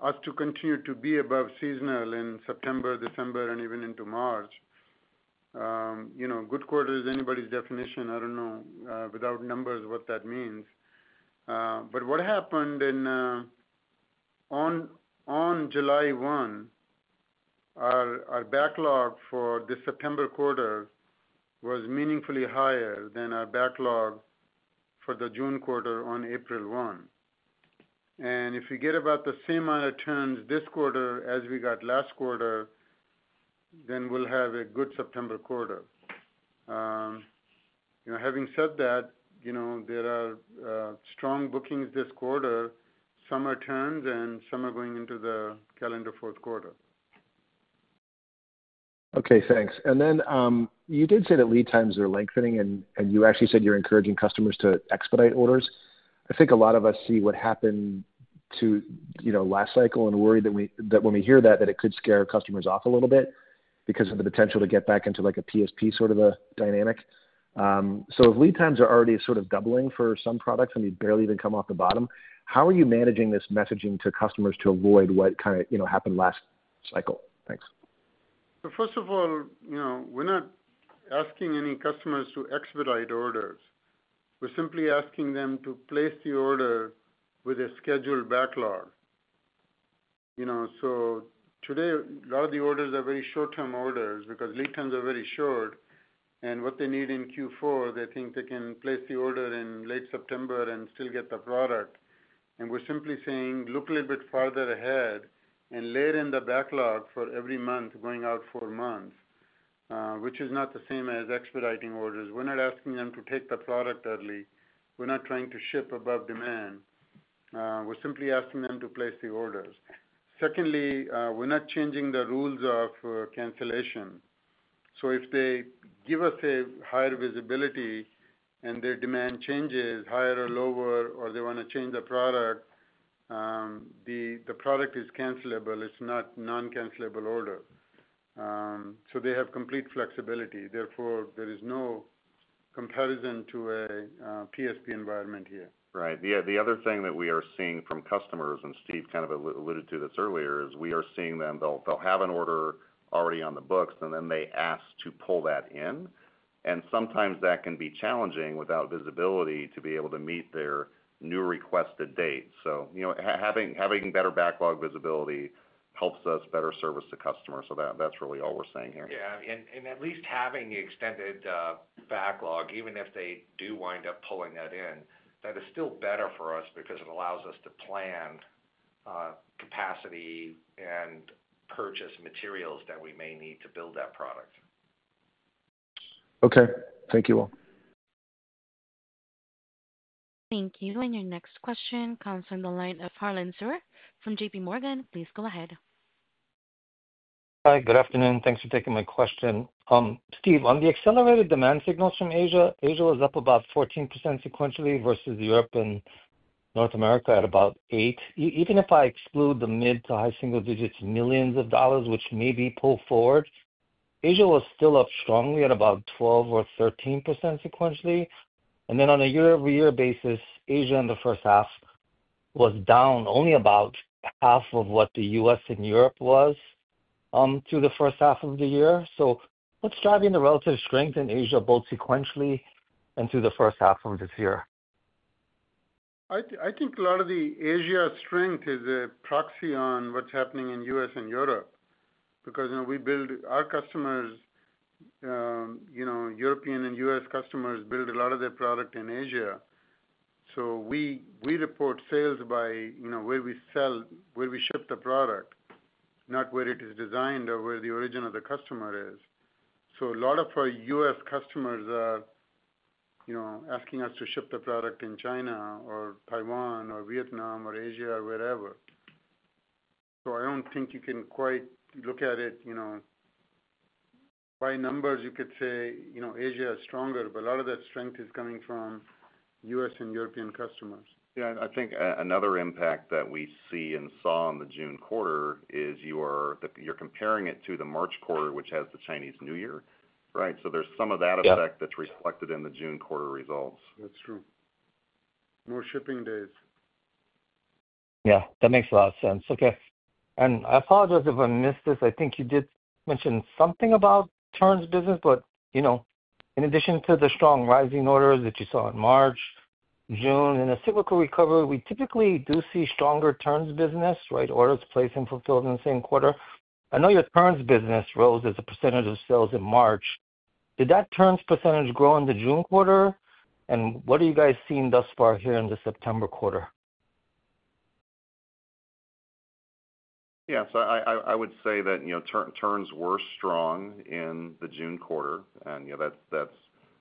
Speaker 2: us to continue to be above seasonal in September, December, and even into March. Good quarter is anybody's definition. I don't know without numbers what that means. What happened on July 1, our backlog for the September quarter was meaningfully higher than our backlog for the June quarter on April 1. If we get about the same amount of turns this quarter as we got last quarter, then we'll have a good September quarter. Having said that, there are strong bookings this quarter, some are turns, and some are going into the calendar fourth quarter.
Speaker 10: Okay. Thanks. You did say that lead times are lengthening, and you actually said you're encouraging customers to expedite orders. I think a lot of us see what happened to, you know, last cycle and worry that when we hear that, it could scare customers off a little bit because of the potential to get back into like a PSP sort of a dynamic. If lead times are already sort of doubling for some products and they barely even come off the bottom, how are you managing this messaging to customers to avoid what kind of, you know, happened last cycle? Thanks.
Speaker 2: First of all, you know, we're not asking any customers to expedite orders. We're simply asking them to place the order with a scheduled backlog. Today, a lot of the orders are very short-term orders because lead times are very short. What they need in Q4, they think they can place the order in late September and still get the product. We're simply saying, look a little bit farther ahead and layer in the backlog for every month going out four months, which is not the same as expediting orders. We're not asking them to take the product early. We're not trying to ship above demand. We're simply asking them to place the orders. Secondly, we're not changing the rules of cancellation. If they give us a higher visibility and their demand changes, higher or lower, or they want to change the product, the product is cancellable. It's not a non-cancellable order. They have complete flexibility. Therefore, there is no comparison to a PSP environment here.
Speaker 3: Right. The other thing that we are seeing from customers, and Steve kind of alluded to this earlier, is we are seeing them, they'll have an order already on the books, and then they ask to pull that in. Sometimes that can be challenging without visibility to be able to meet their new requested date. Having better backlog visibility helps us better service the customer. That's really all we're saying here.
Speaker 4: At least having the extended backlog, even if they do wind up pulling that in, is still better for us because it allows us to plan capacity and purchase materials that we may need to build that product.
Speaker 10: Okay, thank you all.
Speaker 1: Thank you. Your next question comes from the line of Harlan Sur from JPMorgan. Please go ahead.
Speaker 11: Hi. Good afternoon. Thanks for taking my question. Steve, on the accelerated demand signals from Asia, Asia was up about 14% sequentially versus Europe and North America at about 8%. Even if I exclude the mid to high single-digit millions of dollars, which may be pulled forward, Asia was still up strongly at about 12% or 13% sequentially. On a year-over-year basis, Asia in the first half was down only about half of what the U.S. and Europe was to the first half of the year. What's driving the relative strength in Asia both sequentially and through the first half of this year?
Speaker 2: I think a lot of the Asia strength is a proxy on what's happening in the U.S. and Europe because, you know, we build our customers, you know, European and U.S. customers build a lot of their product in Asia. We report sales by where we sell, where we ship the product, not where it is designed or where the origin of the customer is. A lot of our U.S. customers are asking us to ship the product in China or Taiwan or Vietnam or Asia or wherever. I don't think you can quite look at it by numbers, you could say Asia is stronger, but a lot of that strength is coming from U.S. and European customers.
Speaker 3: I think another impact that we see and saw in the June quarter is you're comparing it to the March quarter, which has the Chinese New Year, right? There's some of that effect that's reflected in the June quarter results.
Speaker 2: That's true. More shipping days.
Speaker 11: Yeah, that makes a lot of sense. Okay. I apologize if I missed this. I think you did mention something about turns business. In addition to the strong rising orders that you saw in March, June, in a cyclical recovery, we typically do see stronger turns business, right? Orders placed and fulfilled in the same quarter. I know your turns business rose as a percentage of sales in March. Did that turns percentage grow in the June quarter? What are you guys seeing thus far here in the September quarter?
Speaker 3: I would say that, you know, turns were strong in the June quarter. That's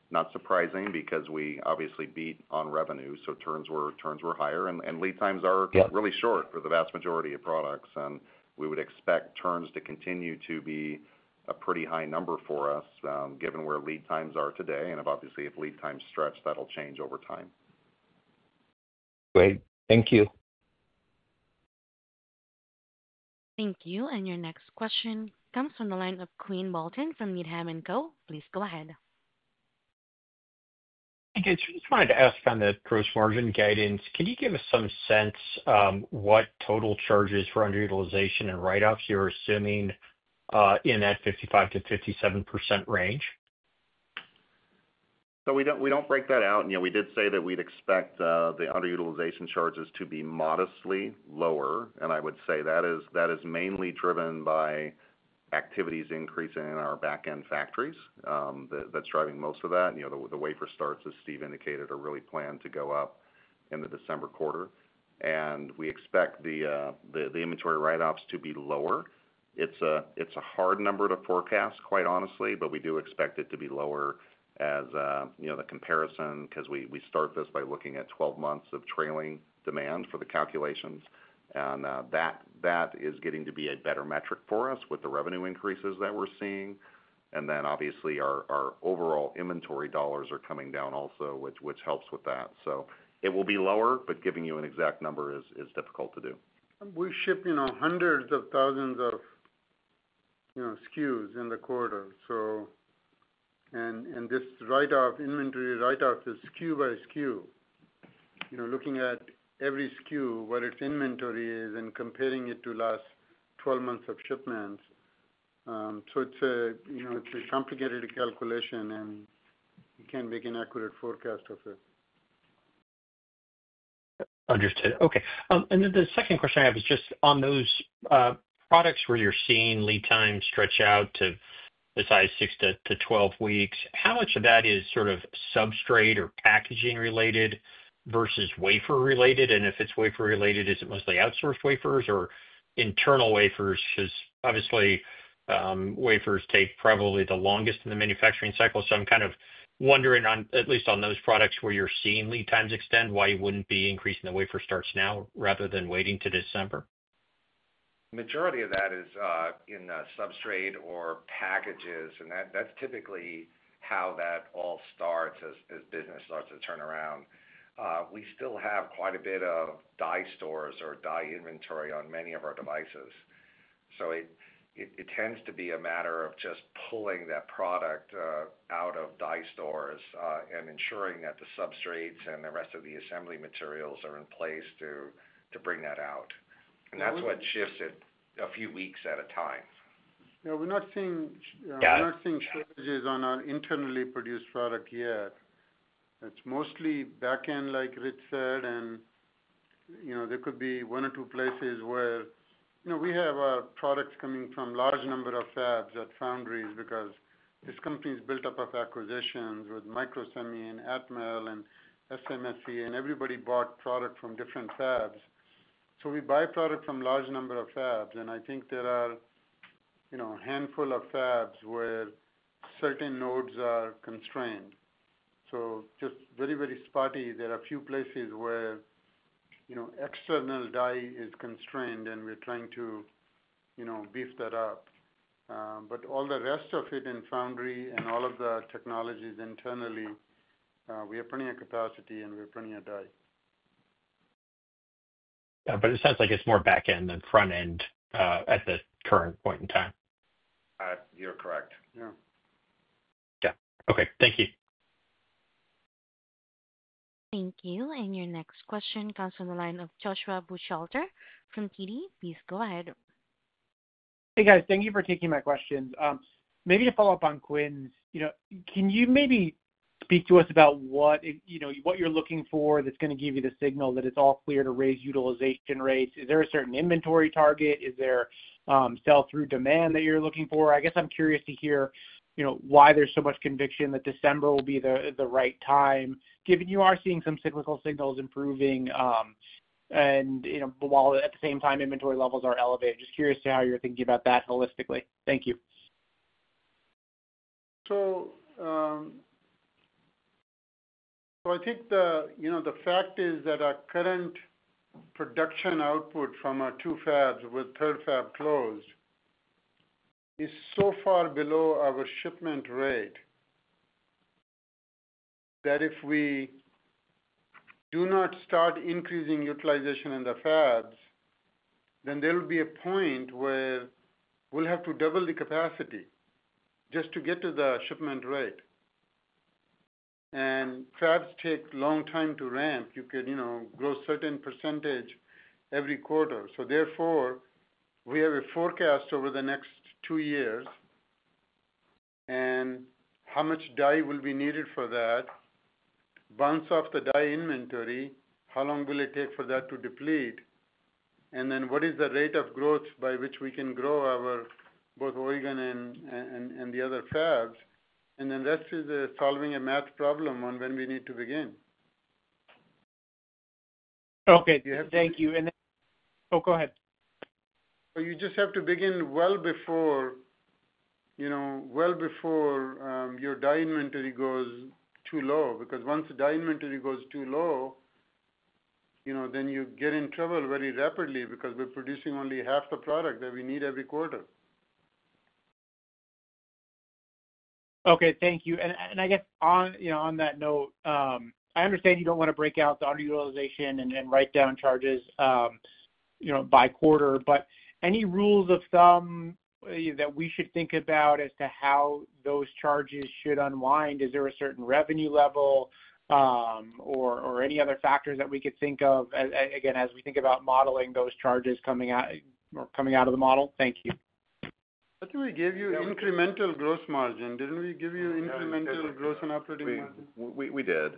Speaker 3: not surprising because we obviously beat on revenue. Turns were higher, and lead times are really short for the vast majority of products. We would expect turns to continue to be a pretty high number for us, given where lead times are today. Obviously, if lead times stretch, that'll change over time.
Speaker 11: Great. Thank you.
Speaker 1: Thank you. Your next question comes from the line of Quinn Bolton from Needham & Co. Please go ahead.
Speaker 12: Okay, I just wanted to ask on the gross margin guidance, can you give us some sense of what total charges for underutilization and write-offs you're assuming in that 55%-57% range?
Speaker 3: We don't break that out. We did say that we'd expect the underutilization charges to be modestly lower. I would say that is mainly driven by activities increasing in our backend factories, that's driving most of that. The wafer starts, as Steve indicated, are really planned to go up in the December quarter. We expect the inventory write-offs to be lower. It's a hard number to forecast, quite honestly, but we do expect it to be lower as the comparison because we start this by looking at 12 months of trailing demand for the calculations. That is getting to be a better metric for us with the revenue increases that we're seeing. Obviously, our overall inventory dollars are coming down also, which helps with that. It will be lower, but giving you an exact number is difficult to do.
Speaker 2: We ship, you know, hundreds of thousands of SKUs in the quarter. This inventory write-off is SKU by SKU, looking at every SKU, what its inventory is, and comparing it to last 12 months of shipments. It's a complicated calculation, and you can't make an accurate forecast of it.
Speaker 12: Understood. Okay. The second question I have is just on those products where you're seeing lead times stretch out to the size 6-12 weeks, how much of that is sort of substrate or packaging-related versus wafer-related? If it's wafer-related, is it mostly outsourced wafers or internal wafers? Obviously, wafers take probably the longest in the manufacturing cycle. I'm kind of wondering, at least on those products where you're seeing lead times extend, why wouldn't you be increasing the wafer starts now rather than waiting to December?
Speaker 4: Majority of that is in substrate or packages, and that's typically how that all starts as business starts to turn around. We still have quite a bit of die stores or die inventory on many of our devices. It tends to be a matter of just pulling that product out of die stores and ensuring that the substrates and the rest of the assembly materials are in place to bring that out. That's what shifts it a few weeks at a time.
Speaker 2: Yeah. We're not seeing shortages on our internally produced product yet. It's mostly backend, like Rich said, and there could be one or two places where we have our products coming from a large number of fabs at foundries because this company's built up of acquisitions with MicroSemi and Atmel and SMSC, and everybody bought product from different fabs. We buy product from a large number of fabs, and I think there are a handful of fabs where certain nodes are constrained. Just very, very spotty, there are a few places where external die is constrained, and we're trying to beef that up. All the rest of it in foundry and all of the technologies internally, we have plenty of capacity and we have plenty of die.
Speaker 12: Yeah, it sounds like it's more backend than frontend at the current point in time.
Speaker 4: You're correct.
Speaker 2: Yeah.
Speaker 12: Yeah, okay. Thank you.
Speaker 1: Thank you. Your next question comes from the line of Joshua Buchalter from TD. Please go ahead.
Speaker 13: Hey, guys. Thank you for taking my questions. Maybe to follow up on Quinn's, can you speak to us about what you're looking for that's going to give you the signal that it's all clear to raise utilization rates? Is there a certain inventory target? Is there sell-through demand that you're looking for? I'm curious to hear why there's so much conviction that December will be the right time, given you are seeing some cyclical signals improving. While at the same time, inventory levels are elevated, just curious to how you're thinking about that holistically. Thank you.
Speaker 2: I think the fact is that our current production output from our two fabs with third fab closed is so far below our shipment rate that if we do not start increasing utilization in the fabs, there will be a point where we'll have to double the capacity just to get to the shipment rate. Fabs take a long time to ramp. You could grow a certain percentage every quarter. Therefore, we have a forecast over the next two years and how much die will be needed for that, bounce off the die inventory, how long it will take for that to deplete, and then what is the rate of growth by which we can grow both our Oregon and the other fabs. That is solving a math problem on when we need to begin.
Speaker 13: Okay. Thank you. Go ahead.
Speaker 2: You just have to begin well before your die inventory goes too low, because once the die inventory goes too low, you get in trouble very rapidly because we're producing only half the product that we need every quarter.
Speaker 13: Thank you. I guess on that note, I understand you don't want to break out the underutilization and write down charges by quarter, but any rules of thumb that we should think about as to how those charges should unwind? Is there a certain revenue level or any other factors that we could think of, again, as we think about modeling those charges coming out or coming out of the model? Thank you.
Speaker 2: Didn't we give you incremental gross margin? Didn't we give you incremental gross and operating margin?
Speaker 3: We did.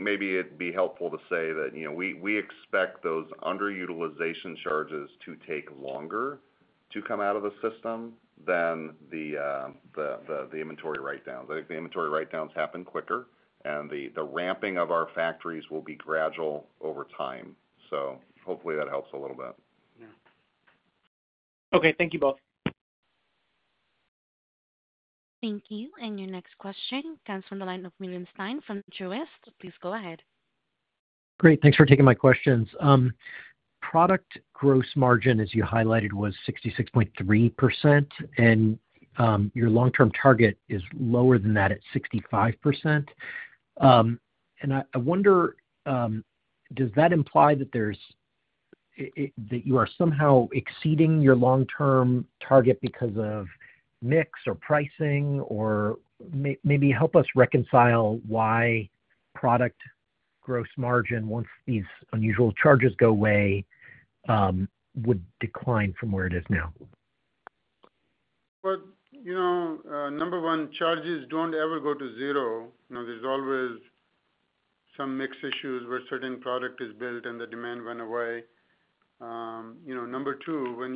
Speaker 3: Maybe it'd be helpful to say that, you know, we expect those underutilization charges to take longer to come out of the system than the inventory write-downs. I think the inventory write-downs happen quicker, and the ramping of our factories will be gradual over time. Hopefully, that helps a little bit.
Speaker 13: Yeah, okay. Thank you both.
Speaker 1: Thank you. Your next question comes from the line of William Stein from Truist. Please go ahead.
Speaker 14: Great. Thanks for taking my questions. Product gross margin, as you highlighted, was 66.3%, and your long-term target is lower than that at 65%. I wonder, does that imply that you are somehow exceeding your long-term target because of mix or pricing? Maybe help us reconcile why product gross margin, once these unusual charges go away, would decline from where it is now.
Speaker 2: Charges don't ever go to zero. There's always some mix issues where certain product is built and the demand went away. Number two, when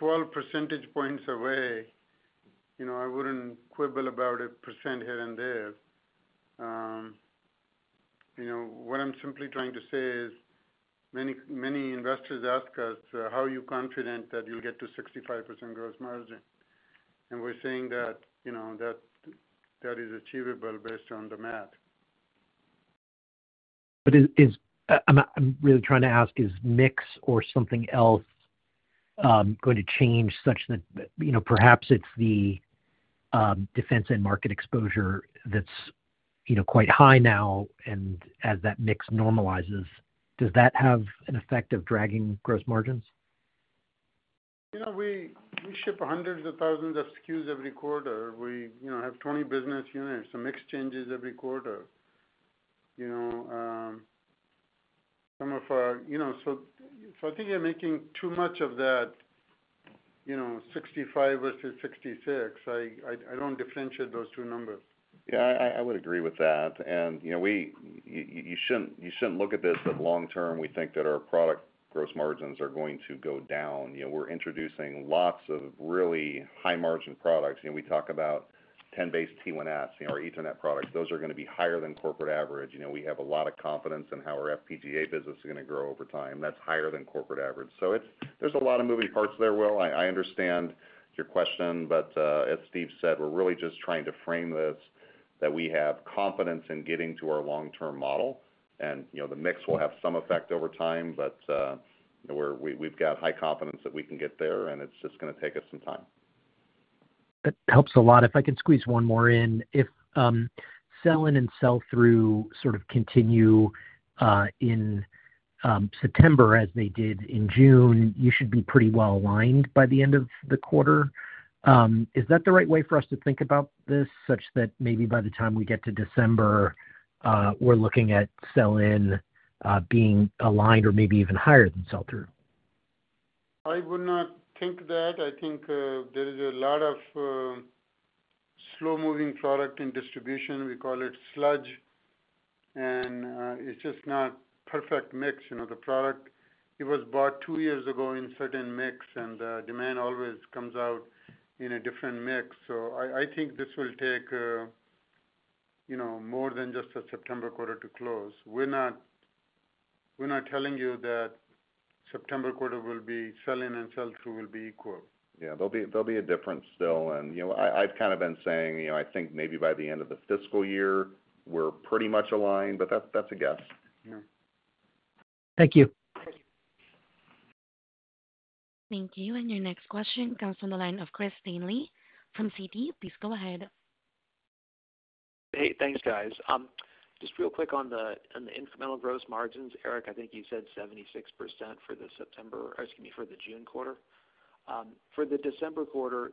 Speaker 2: you are 12% away, I wouldn't quibble about a percent here and there. What I'm simply trying to say is many, many investors ask us, "How are you confident that you'll get to 65% gross margin?" We're saying that is achievable based on the math.
Speaker 14: I'm really trying to ask, is mix or something else going to change such that, you know, perhaps it's the defense and market exposure that's, you know, quite high now and as that mix normalizes, does that have an effect of dragging gross margins?
Speaker 2: We ship hundreds of thousands of SKUs every quarter. We have 20 business units. The mix changes every quarter. Some of our, so I think you're making too much of that 65% versus 66%. I don't differentiate those two numbers.
Speaker 3: Yeah, I would agree with that. You shouldn't look at this as long-term. We think that our product gross margins are going to go down. We're introducing lots of really high-margin products. We talk about 10BASE-T1S, our Ethernet product. Those are going to be higher than corporate average. We have a lot of confidence in how our FPGA business is going to grow over time. That's higher than corporate average. There's a lot of moving parts there. I understand your question, but as Steve said, we're really just trying to frame this that we have confidence in getting to our long-term model. The mix will have some effect over time, but we've got high confidence that we can get there, and it's just going to take us some time.
Speaker 14: That helps a lot. If I could squeeze one more in, if sell-in and sell-through sort of continue in September as they did in June, you should be pretty well aligned by the end of the quarter. Is that the right way for us to think about this, such that maybe by the time we get to December, we're looking at sell-in being aligned or maybe even higher than sell-through?
Speaker 2: I would not think that. I think there is a lot of slow-moving product in distribution. We call it sludge. It's just not a perfect mix. The product was bought two years ago in a certain mix, and the demand always comes out in a different mix. I think this will take more than just a September quarter to close. We're not telling you that September quarter will be sell-in and sell-through will be equal.
Speaker 3: Yeah. There'll be a difference still. I've kind of been saying, you know, I think maybe by the end of the fiscal year, we're pretty much aligned, but that's a guess.
Speaker 14: Thank you.
Speaker 1: Thank you. Your next question comes from the line of Chris Danely from Citi. Please go ahead.
Speaker 15: Hey, thanks, guys. Just real quick on the incremental gross margins, Eric, I think you said 76% for the June quarter. For the December quarter,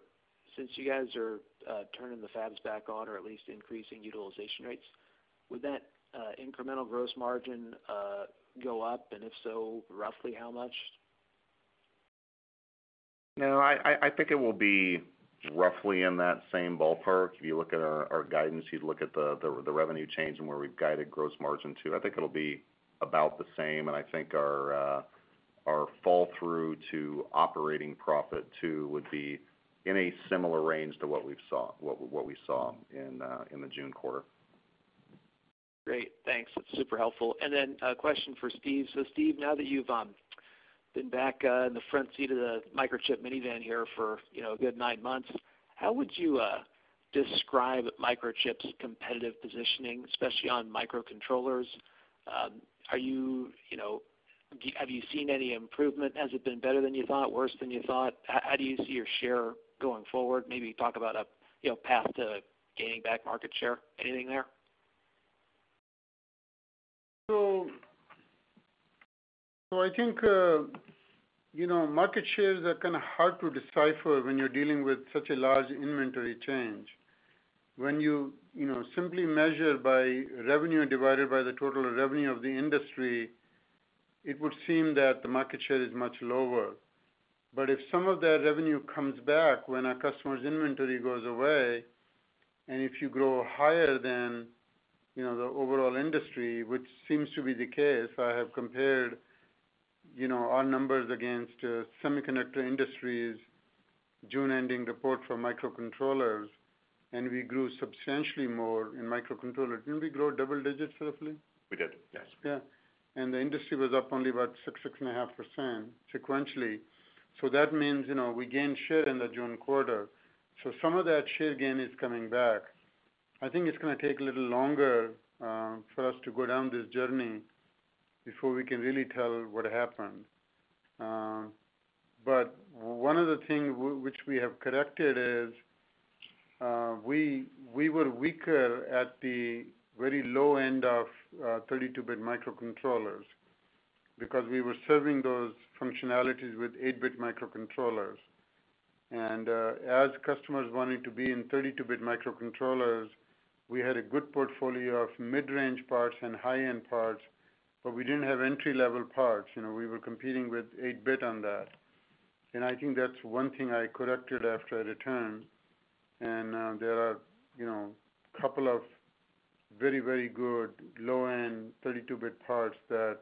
Speaker 15: since you guys are turning the fabs back on or at least increasing utilization rates, would that incremental gross margin go up? If so, roughly how much?
Speaker 3: No, I think it will be roughly in that same ballpark. If you look at our guidance, you'd look at the revenue change and where we guided gross margin to. I think it'll be about the same. I think our fall through to operating profit too would be in a similar range to what we saw in the June quarter.
Speaker 15: Great. Thanks. That's super helpful. A question for Steve. Now that you've been back in the front seat of the Microchip minivan here for, you know, a good nine months, how would you describe Microchip's competitive positioning, especially on microcontrollers? Have you seen any improvement? Has it been better than you thought, worse than you thought? How do you see your share going forward? Maybe talk about a path to gaining back market share. Anything there?
Speaker 2: I think, you know, market shares are kind of hard to decipher when you're dealing with such a large inventory change. When you, you know, simply measure by revenue divided by the total revenue of the industry, it would seem that the market share is much lower. If some of that revenue comes back when a customer's inventory goes away, and if you grow higher than, you know, the overall industry, which seems to be the case, I have compared, you know, our numbers against semiconductor industry's June ending report for microcontrollers, and we grew substantially more in microcontrollers. Didn't we grow double digits, roughly? We did, yes. Yeah. The industry was up only about 6% or 6.5% sequentially. That means, you know, we gained share in the June quarter. Some of that share gain is coming back. I think it's going to take a little longer for us to go down this journey before we can really tell what happened. One of the things which we have corrected is we were weaker at the very low end of 32-bit microcontrollers. Because we were serving those functionalities with 8-bit microcontrollers. As customers wanted to be in 32-bit microcontrollers, we had a good portfolio of mid-range parts and high-end parts, but we didn't have entry-level parts. We were competing with 8-bit on that. I think that's one thing I corrected after I returned. There are a couple of very, very good low-end 32-bit parts that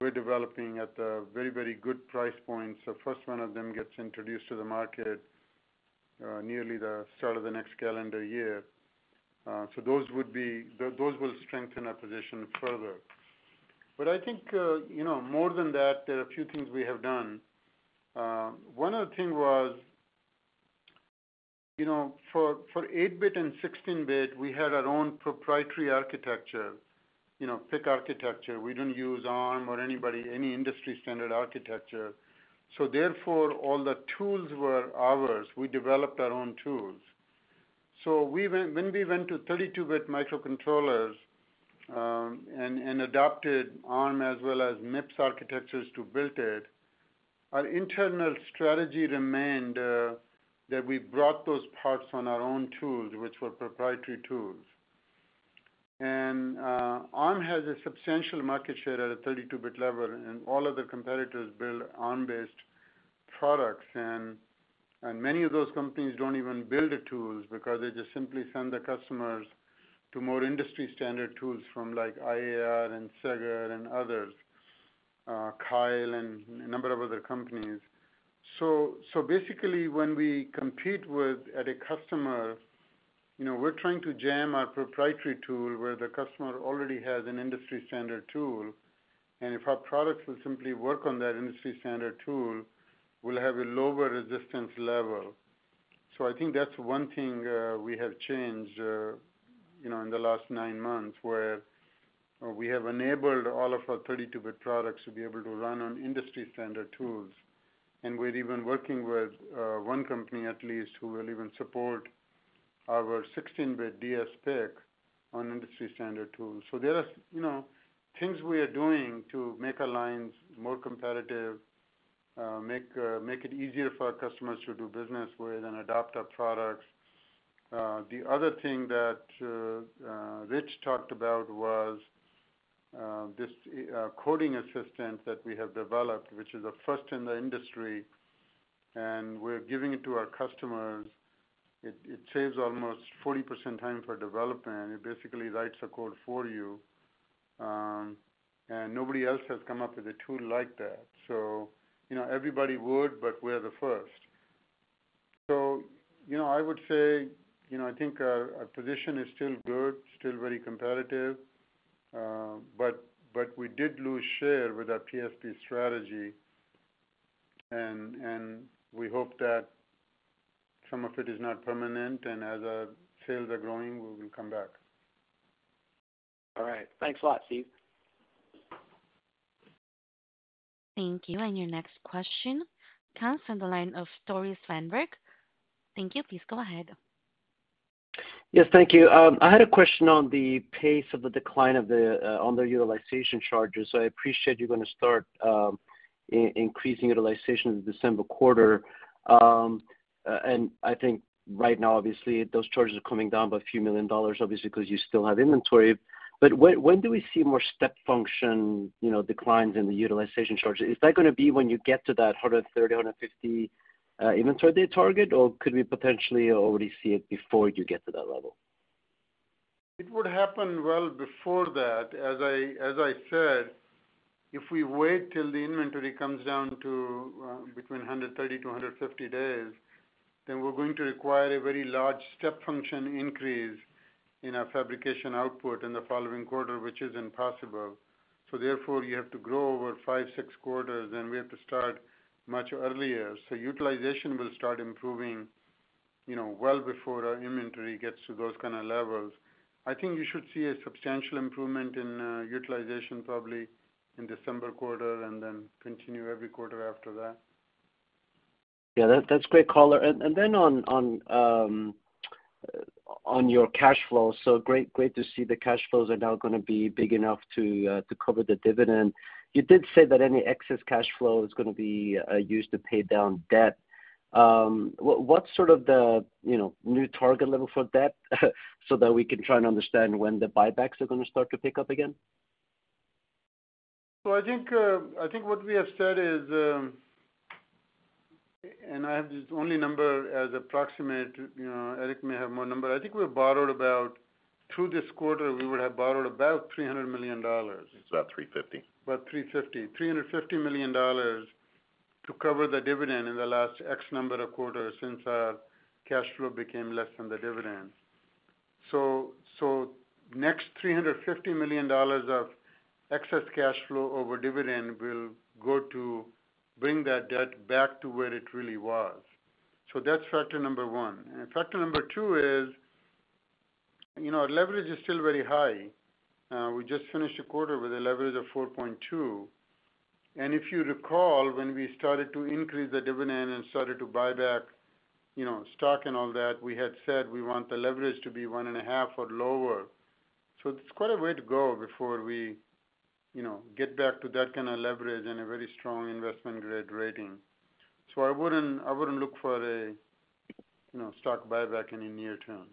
Speaker 2: we're developing at a very, very good price point. The first one of them gets introduced to the market nearly the start of the next calendar year. Those will strengthen our position further. I think, more than that, there are a few things we have done. One other thing was, for 8-bit and 16-bit, we had our own proprietary architecture, you know, PIC architecture. We didn't use ARM or any industry standard architecture. Therefore, all the tools were ours. We developed our own tools. When we went to 32-bit microcontrollers and adopted ARM as well as MIPS architectures to build it, our internal strategy remained that we brought those parts on our own tools, which were proprietary tools. ARM has a substantial market share at a 32-bit level, and all other competitors build ARM-based products. Many of those companies don't even build the tools because they just simply send their customers to more industry standard tools from like IAR and SEGGER and others, Keil and a number of other companies. Basically, when we compete with a customer, we're trying to jam our proprietary tool where the customer already has an industry standard tool. If our products will simply work on that industry standard tool, we'll have a lower resistance level. I think that's one thing we have changed in the last nine months where we have enabled all of our 32-bit products to be able to run on industry standard tools. We're even working with one company at least who will even support our 16-bit dsPIC on industry standard tools. There are things we are doing to make our lines more competitive, make it easier for our customers to do business with and adopt our products. The other thing that Rich talked about was this AI coding assistant that we have developed, which is the first in the industry, and we're giving it to our customers. It saves almost 40% time for development. It basically writes the code for you. Nobody else has come up with a tool like that. Everybody would, but we're the first. I would say, I think our position is still good, still very competitive. We did lose share with our PSP strategy. We hope that some of it is not permanent. As our sales are growing, we will come back.
Speaker 15: All right. Thanks a lot, Steve.
Speaker 1: Thank you. Your next question comes from the line of Tore Svanberg. Thank you. Please go ahead.
Speaker 16: Yes, thank you. I had a question on the pace of the decline of the underutilization charges. I appreciate you're going to start increasing utilization in the December quarter. I think right now, obviously, those charges are coming down by a few million dollars, obviously, because you still have inventory. When do we see more step function declines in the utilization charges? Is that going to be when you get to that 130, 150 inventory day target, or could we potentially already see it before you get to that level?
Speaker 2: It would happen well before that. As I said, if we wait till the inventory comes down to between 130-150 days, then we're going to require a very large step function increase in our fabrication output in the following quarter, which is impossible. Therefore, you have to grow over five, six quarters, and we have to start much earlier. Utilization will start improving well before our inventory gets to those kind of levels. I think you should see a substantial improvement in utilization probably in the December quarter and then continue every quarter after that.
Speaker 16: That's a great caller. On your cash flows, it's great to see the cash flows are now going to be big enough to cover the dividend. You did say that any excess cash flow is going to be used to pay down debt. What's sort of the new target level for debt so that we can try and understand when the buybacks are going to start to pick up again?
Speaker 2: I think what we have said is, and I have this only number as approximate, you know, Eric may have more numbers. I think we've borrowed about, through this quarter, we would have borrowed about $300 million.
Speaker 3: It's about $350 million
Speaker 2: About $350 million to cover the dividend in the last X number of quarters since our cash flow became less than the dividend. The next $350 million of excess cash flow over dividend will go to bring that debt back to where it really was. That's factor number one. Factor number two is, you know, our leverage is still very high. We just finished a quarter with a leverage of 4.2. If you recall, when we started to increase the dividend and started to buy back, you know, stock and all that, we had said we want the leverage to be 1.5 or lower. It's quite a way to go before we, you know, get back to that kind of leverage and a very strong investment grade rating. I wouldn't look for a, you know, stock buyback in the near term.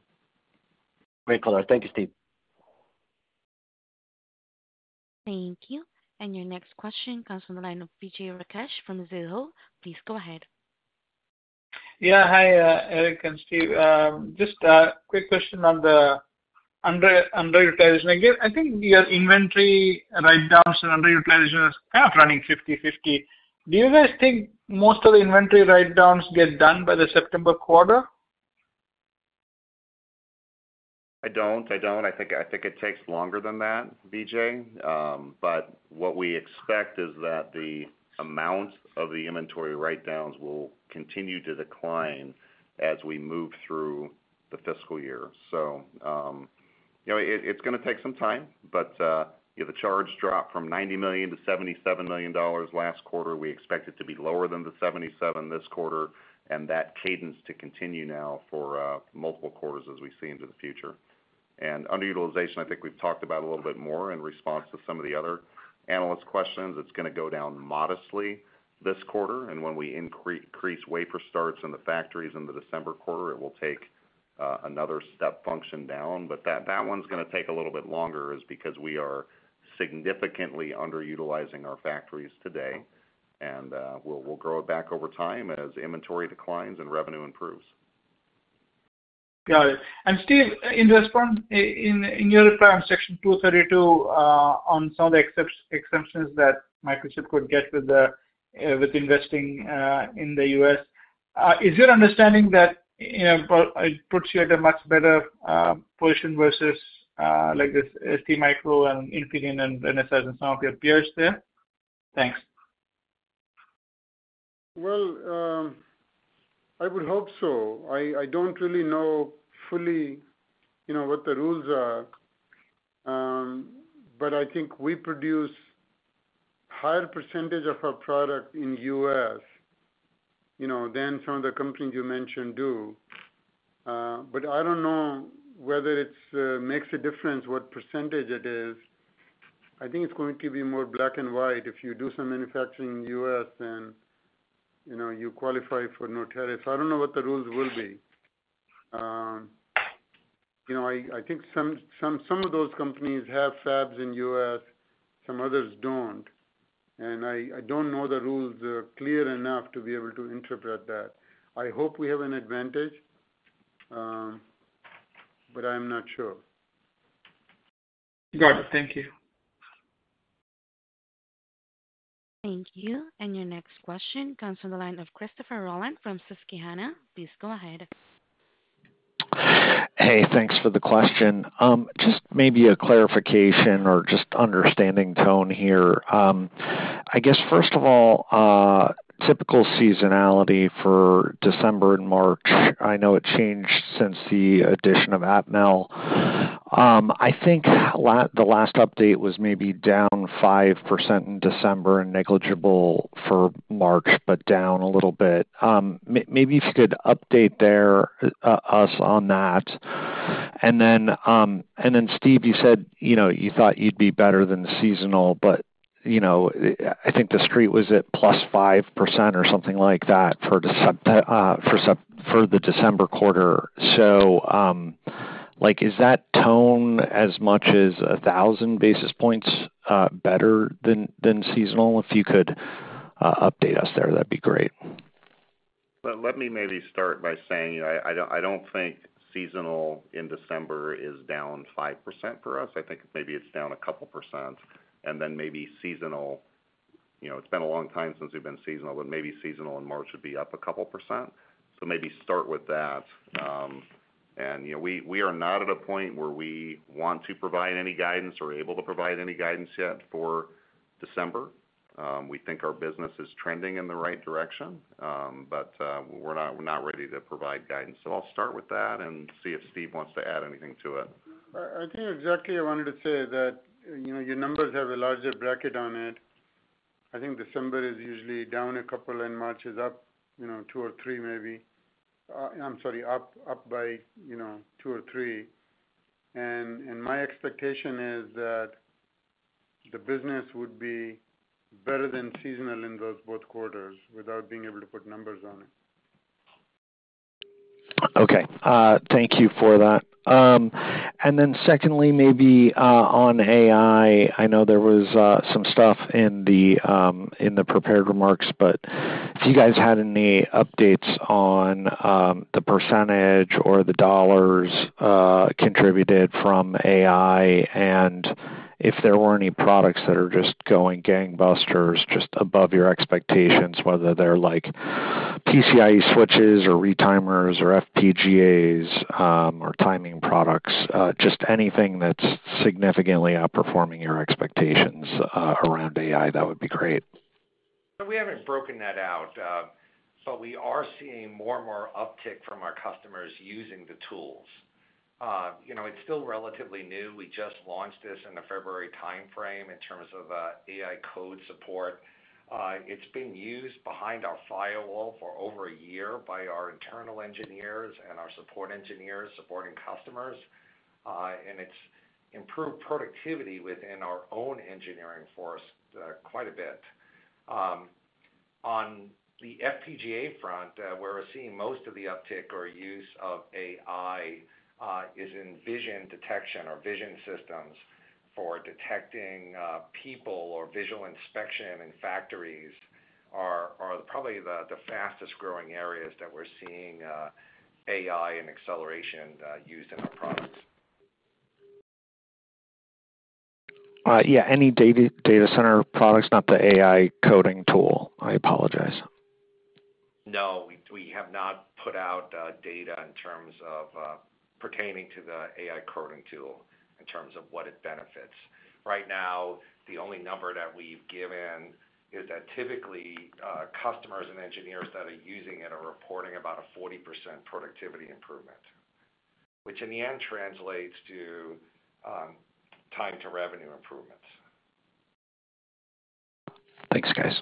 Speaker 16: Great caller. Thank you, Steve.
Speaker 1: Thank you. Your next question comes from the line of Vijay Rakesh from Mizuho. Please go ahead.
Speaker 17: Yeah, hi, Eric and Steve. Just a quick question on the underutilization. I think your inventory write-downs for underutilization is kind of running 50-50. Do you guys think most of the inventory write-downs get done by the September quarter?
Speaker 3: I think it takes longer than that, Vijay. What we expect is that the amount of the inventory write-downs will continue to decline as we move through the fiscal year. It's going to take some time, but the charge dropped from $90 million to $77 million last quarter. We expect it to be lower than the $77 million this quarter and that cadence to continue now for multiple quarters as we see into the future. Underutilization, I think we've talked about a little bit more in response to some of the other analysts' questions. It's going to go down modestly this quarter. When we increase wafer starts in the factories in the December quarter, it will take another step function down. That one's going to take a little bit longer because we are significantly underutilizing our factories today. We'll grow it back over time as inventory declines and revenue improves.
Speaker 17: Got it. Steve, in your response in your plan section 232 on some of the exemptions that Microchip could get with investing in the U.S., is your understanding that it puts you in a much better position versus STMicro, Infineon, Renesas, and some of your peers there? Thanks.
Speaker 2: I would hope so. I don't really know fully what the rules are. I think we produce a higher percentage of our product in the U.S. than some of the companies you mentioned do. I don't know whether it makes a difference what percentage it is. I think it's going to be more black and white. If you do some manufacturing in the U.S., then you qualify for no tariffs. I don't know what the rules will be. I think some of those companies have fabs in the U.S., some others don't. I don't know the rules clearly enough to be able to interpret that. I hope we have an advantage, but I am not sure.
Speaker 17: Got it. Thank you.
Speaker 1: Thank you. Your next question comes from the line of Christopher Rolland from Susquehanna. Please go ahead.
Speaker 18: Hey, thanks for the question. Just maybe a clarification or just understanding tone here. First of all, typical seasonality for December and March. I know it changed since the addition of Atmel. I think the last update was maybe down 5% in December and negligible for March, but down a little bit. Maybe if you could update us on that. Steve, you said you thought you'd be better than the seasonal, but I think the street was at +5% or something like that for the December quarter. Is that tone as much as 1,000 basis points better than seasonal? If you could update us there, that'd be great.
Speaker 3: Let me start by saying, you know, I don't think seasonal in December is down 5% for us. I think maybe it's down a couple percent. Maybe seasonal, you know, it's been a long time since we've been seasonal, but maybe seasonal in March would be up a couple percent. Maybe start with that. You know, we are not at a point where we want to provide any guidance or able to provide any guidance yet for December. We think our business is trending in the right direction, but we're not ready to provide guidance. I'll start with that and see if Steve wants to add anything to it.
Speaker 2: I wanted to say that, you know, your numbers have a larger bracket on it. I think December is usually down a couple and March is up, you know, two or three maybe. I'm sorry, up by, you know, two or three. My expectation is that the business would be better than seasonal in those both quarters without being able to put numbers on it.
Speaker 18: Okay. Thank you for that. Secondly, maybe on AI, I know there was some stuff in the prepared remarks, but if you guys had any updates on the percentage or the dollars contributed from AI and if there were any products that are just going gangbusters, just above your expectations, whether they're like PCIe switches or retimers or FPGAs or timing products, just anything that's significantly outperforming your expectations around AI, that would be great.
Speaker 4: We haven't broken that out, but we are seeing more and more uptick from our customers using the tools. It's still relatively new. We just launched this in the February timeframe in terms of AI code support. It's been used behind our firewall for over a year by our internal engineers and our support engineers supporting customers. It's improved productivity within our own engineering force quite a bit. On the FPGA front, where we're seeing most of the uptick or use of AI is in vision detection or vision systems for detecting people or visual inspection in factories, which are probably the fastest growing areas that we're seeing AI and acceleration used in our products.
Speaker 18: Yeah. Any data center products, not the AI coding assistants? I apologize.
Speaker 4: No, we have not put out data in terms of pertaining to the AI coding assistants in terms of what it benefits. Right now, the only number that we've given is that typically customers and engineers that are using it are reporting about a 40% productivity improvement, which in the end translates to time-to-revenue improvements.
Speaker 18: Thanks, guys.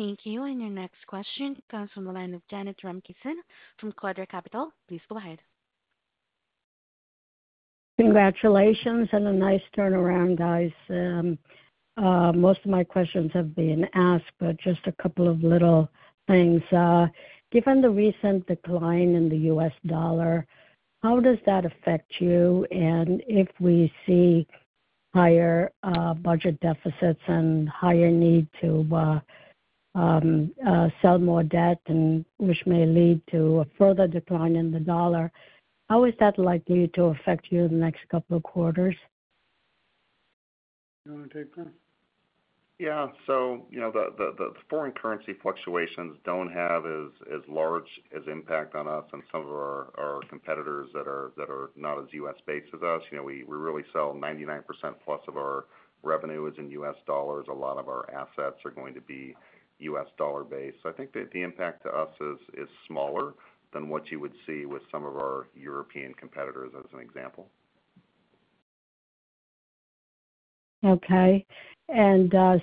Speaker 1: Thank you. Your next question comes from the line of Janet Ramkisoon from Quadra Capital. Please go ahead.
Speaker 19: Congratulations and a nice turnaround, guys. Most of my questions have been asked, but just a couple of little things. Given the recent decline in the U.S. dollar, how does that affect you? If we see higher budget deficits and higher need to sell more debt, which may lead to a further decline in the dollar, how is that likely to affect you in the next couple of quarters?
Speaker 2: You want to take that?
Speaker 3: Yeah. The foreign currency fluctuations don't have as large an impact on us and some of our competitors that are not as U.S.-based as us. We really sell 99%+ of our revenues in U.S. dollars. A lot of our assets are going to be U.S. dollar-based. I think that the impact to us is smaller than what you would see with some of our European competitors as an example.
Speaker 19: Okay.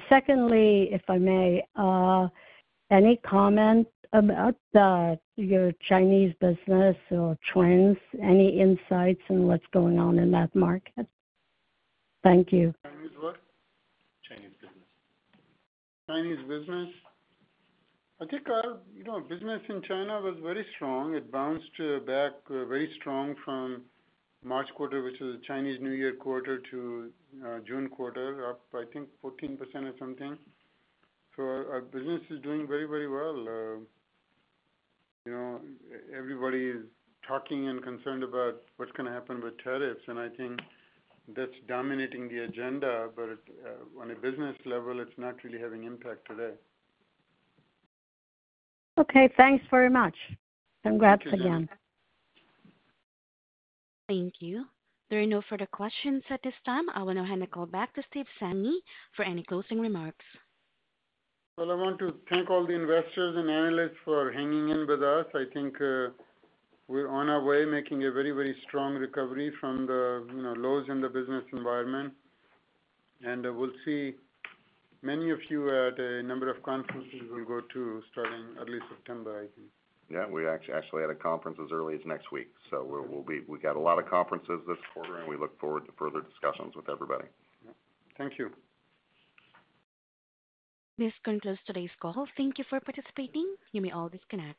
Speaker 19: Secondly, if I may, any comment about your Chinese business or trends? Any insights on what's going on in that market? Thank you.
Speaker 3: Chinese business.
Speaker 2: Chinese business? I think our business in China was very strong. It bounced back very strong from March quarter, which is the Chinese New Year quarter, to June quarter, up, I think, 14% or something. Our business is doing very, very well. Everybody's talking and concerned about what's going to happen with tariffs. I think that's dominating the agenda. On a business level, it's not really having impact today.
Speaker 19: Okay, thanks very much. I'm glad for them.
Speaker 1: Thank you. There are no further questions at this time. I will now hand the call back to Steve Sanghi for any closing remarks.
Speaker 2: I want to thank all the investors and analysts for hanging in with us. I think we're on our way making a very, very strong recovery from the lows in the business environment. We'll see many of you at a number of conferences we'll go to starting early September, I think.
Speaker 3: Yeah, we're actually at a conference as early as next week. We've got a lot of conferences this quarter, and we look forward to further discussions with everybody.
Speaker 2: Thank you.
Speaker 1: This concludes today's call. Thank you for participating. You may all disconnect.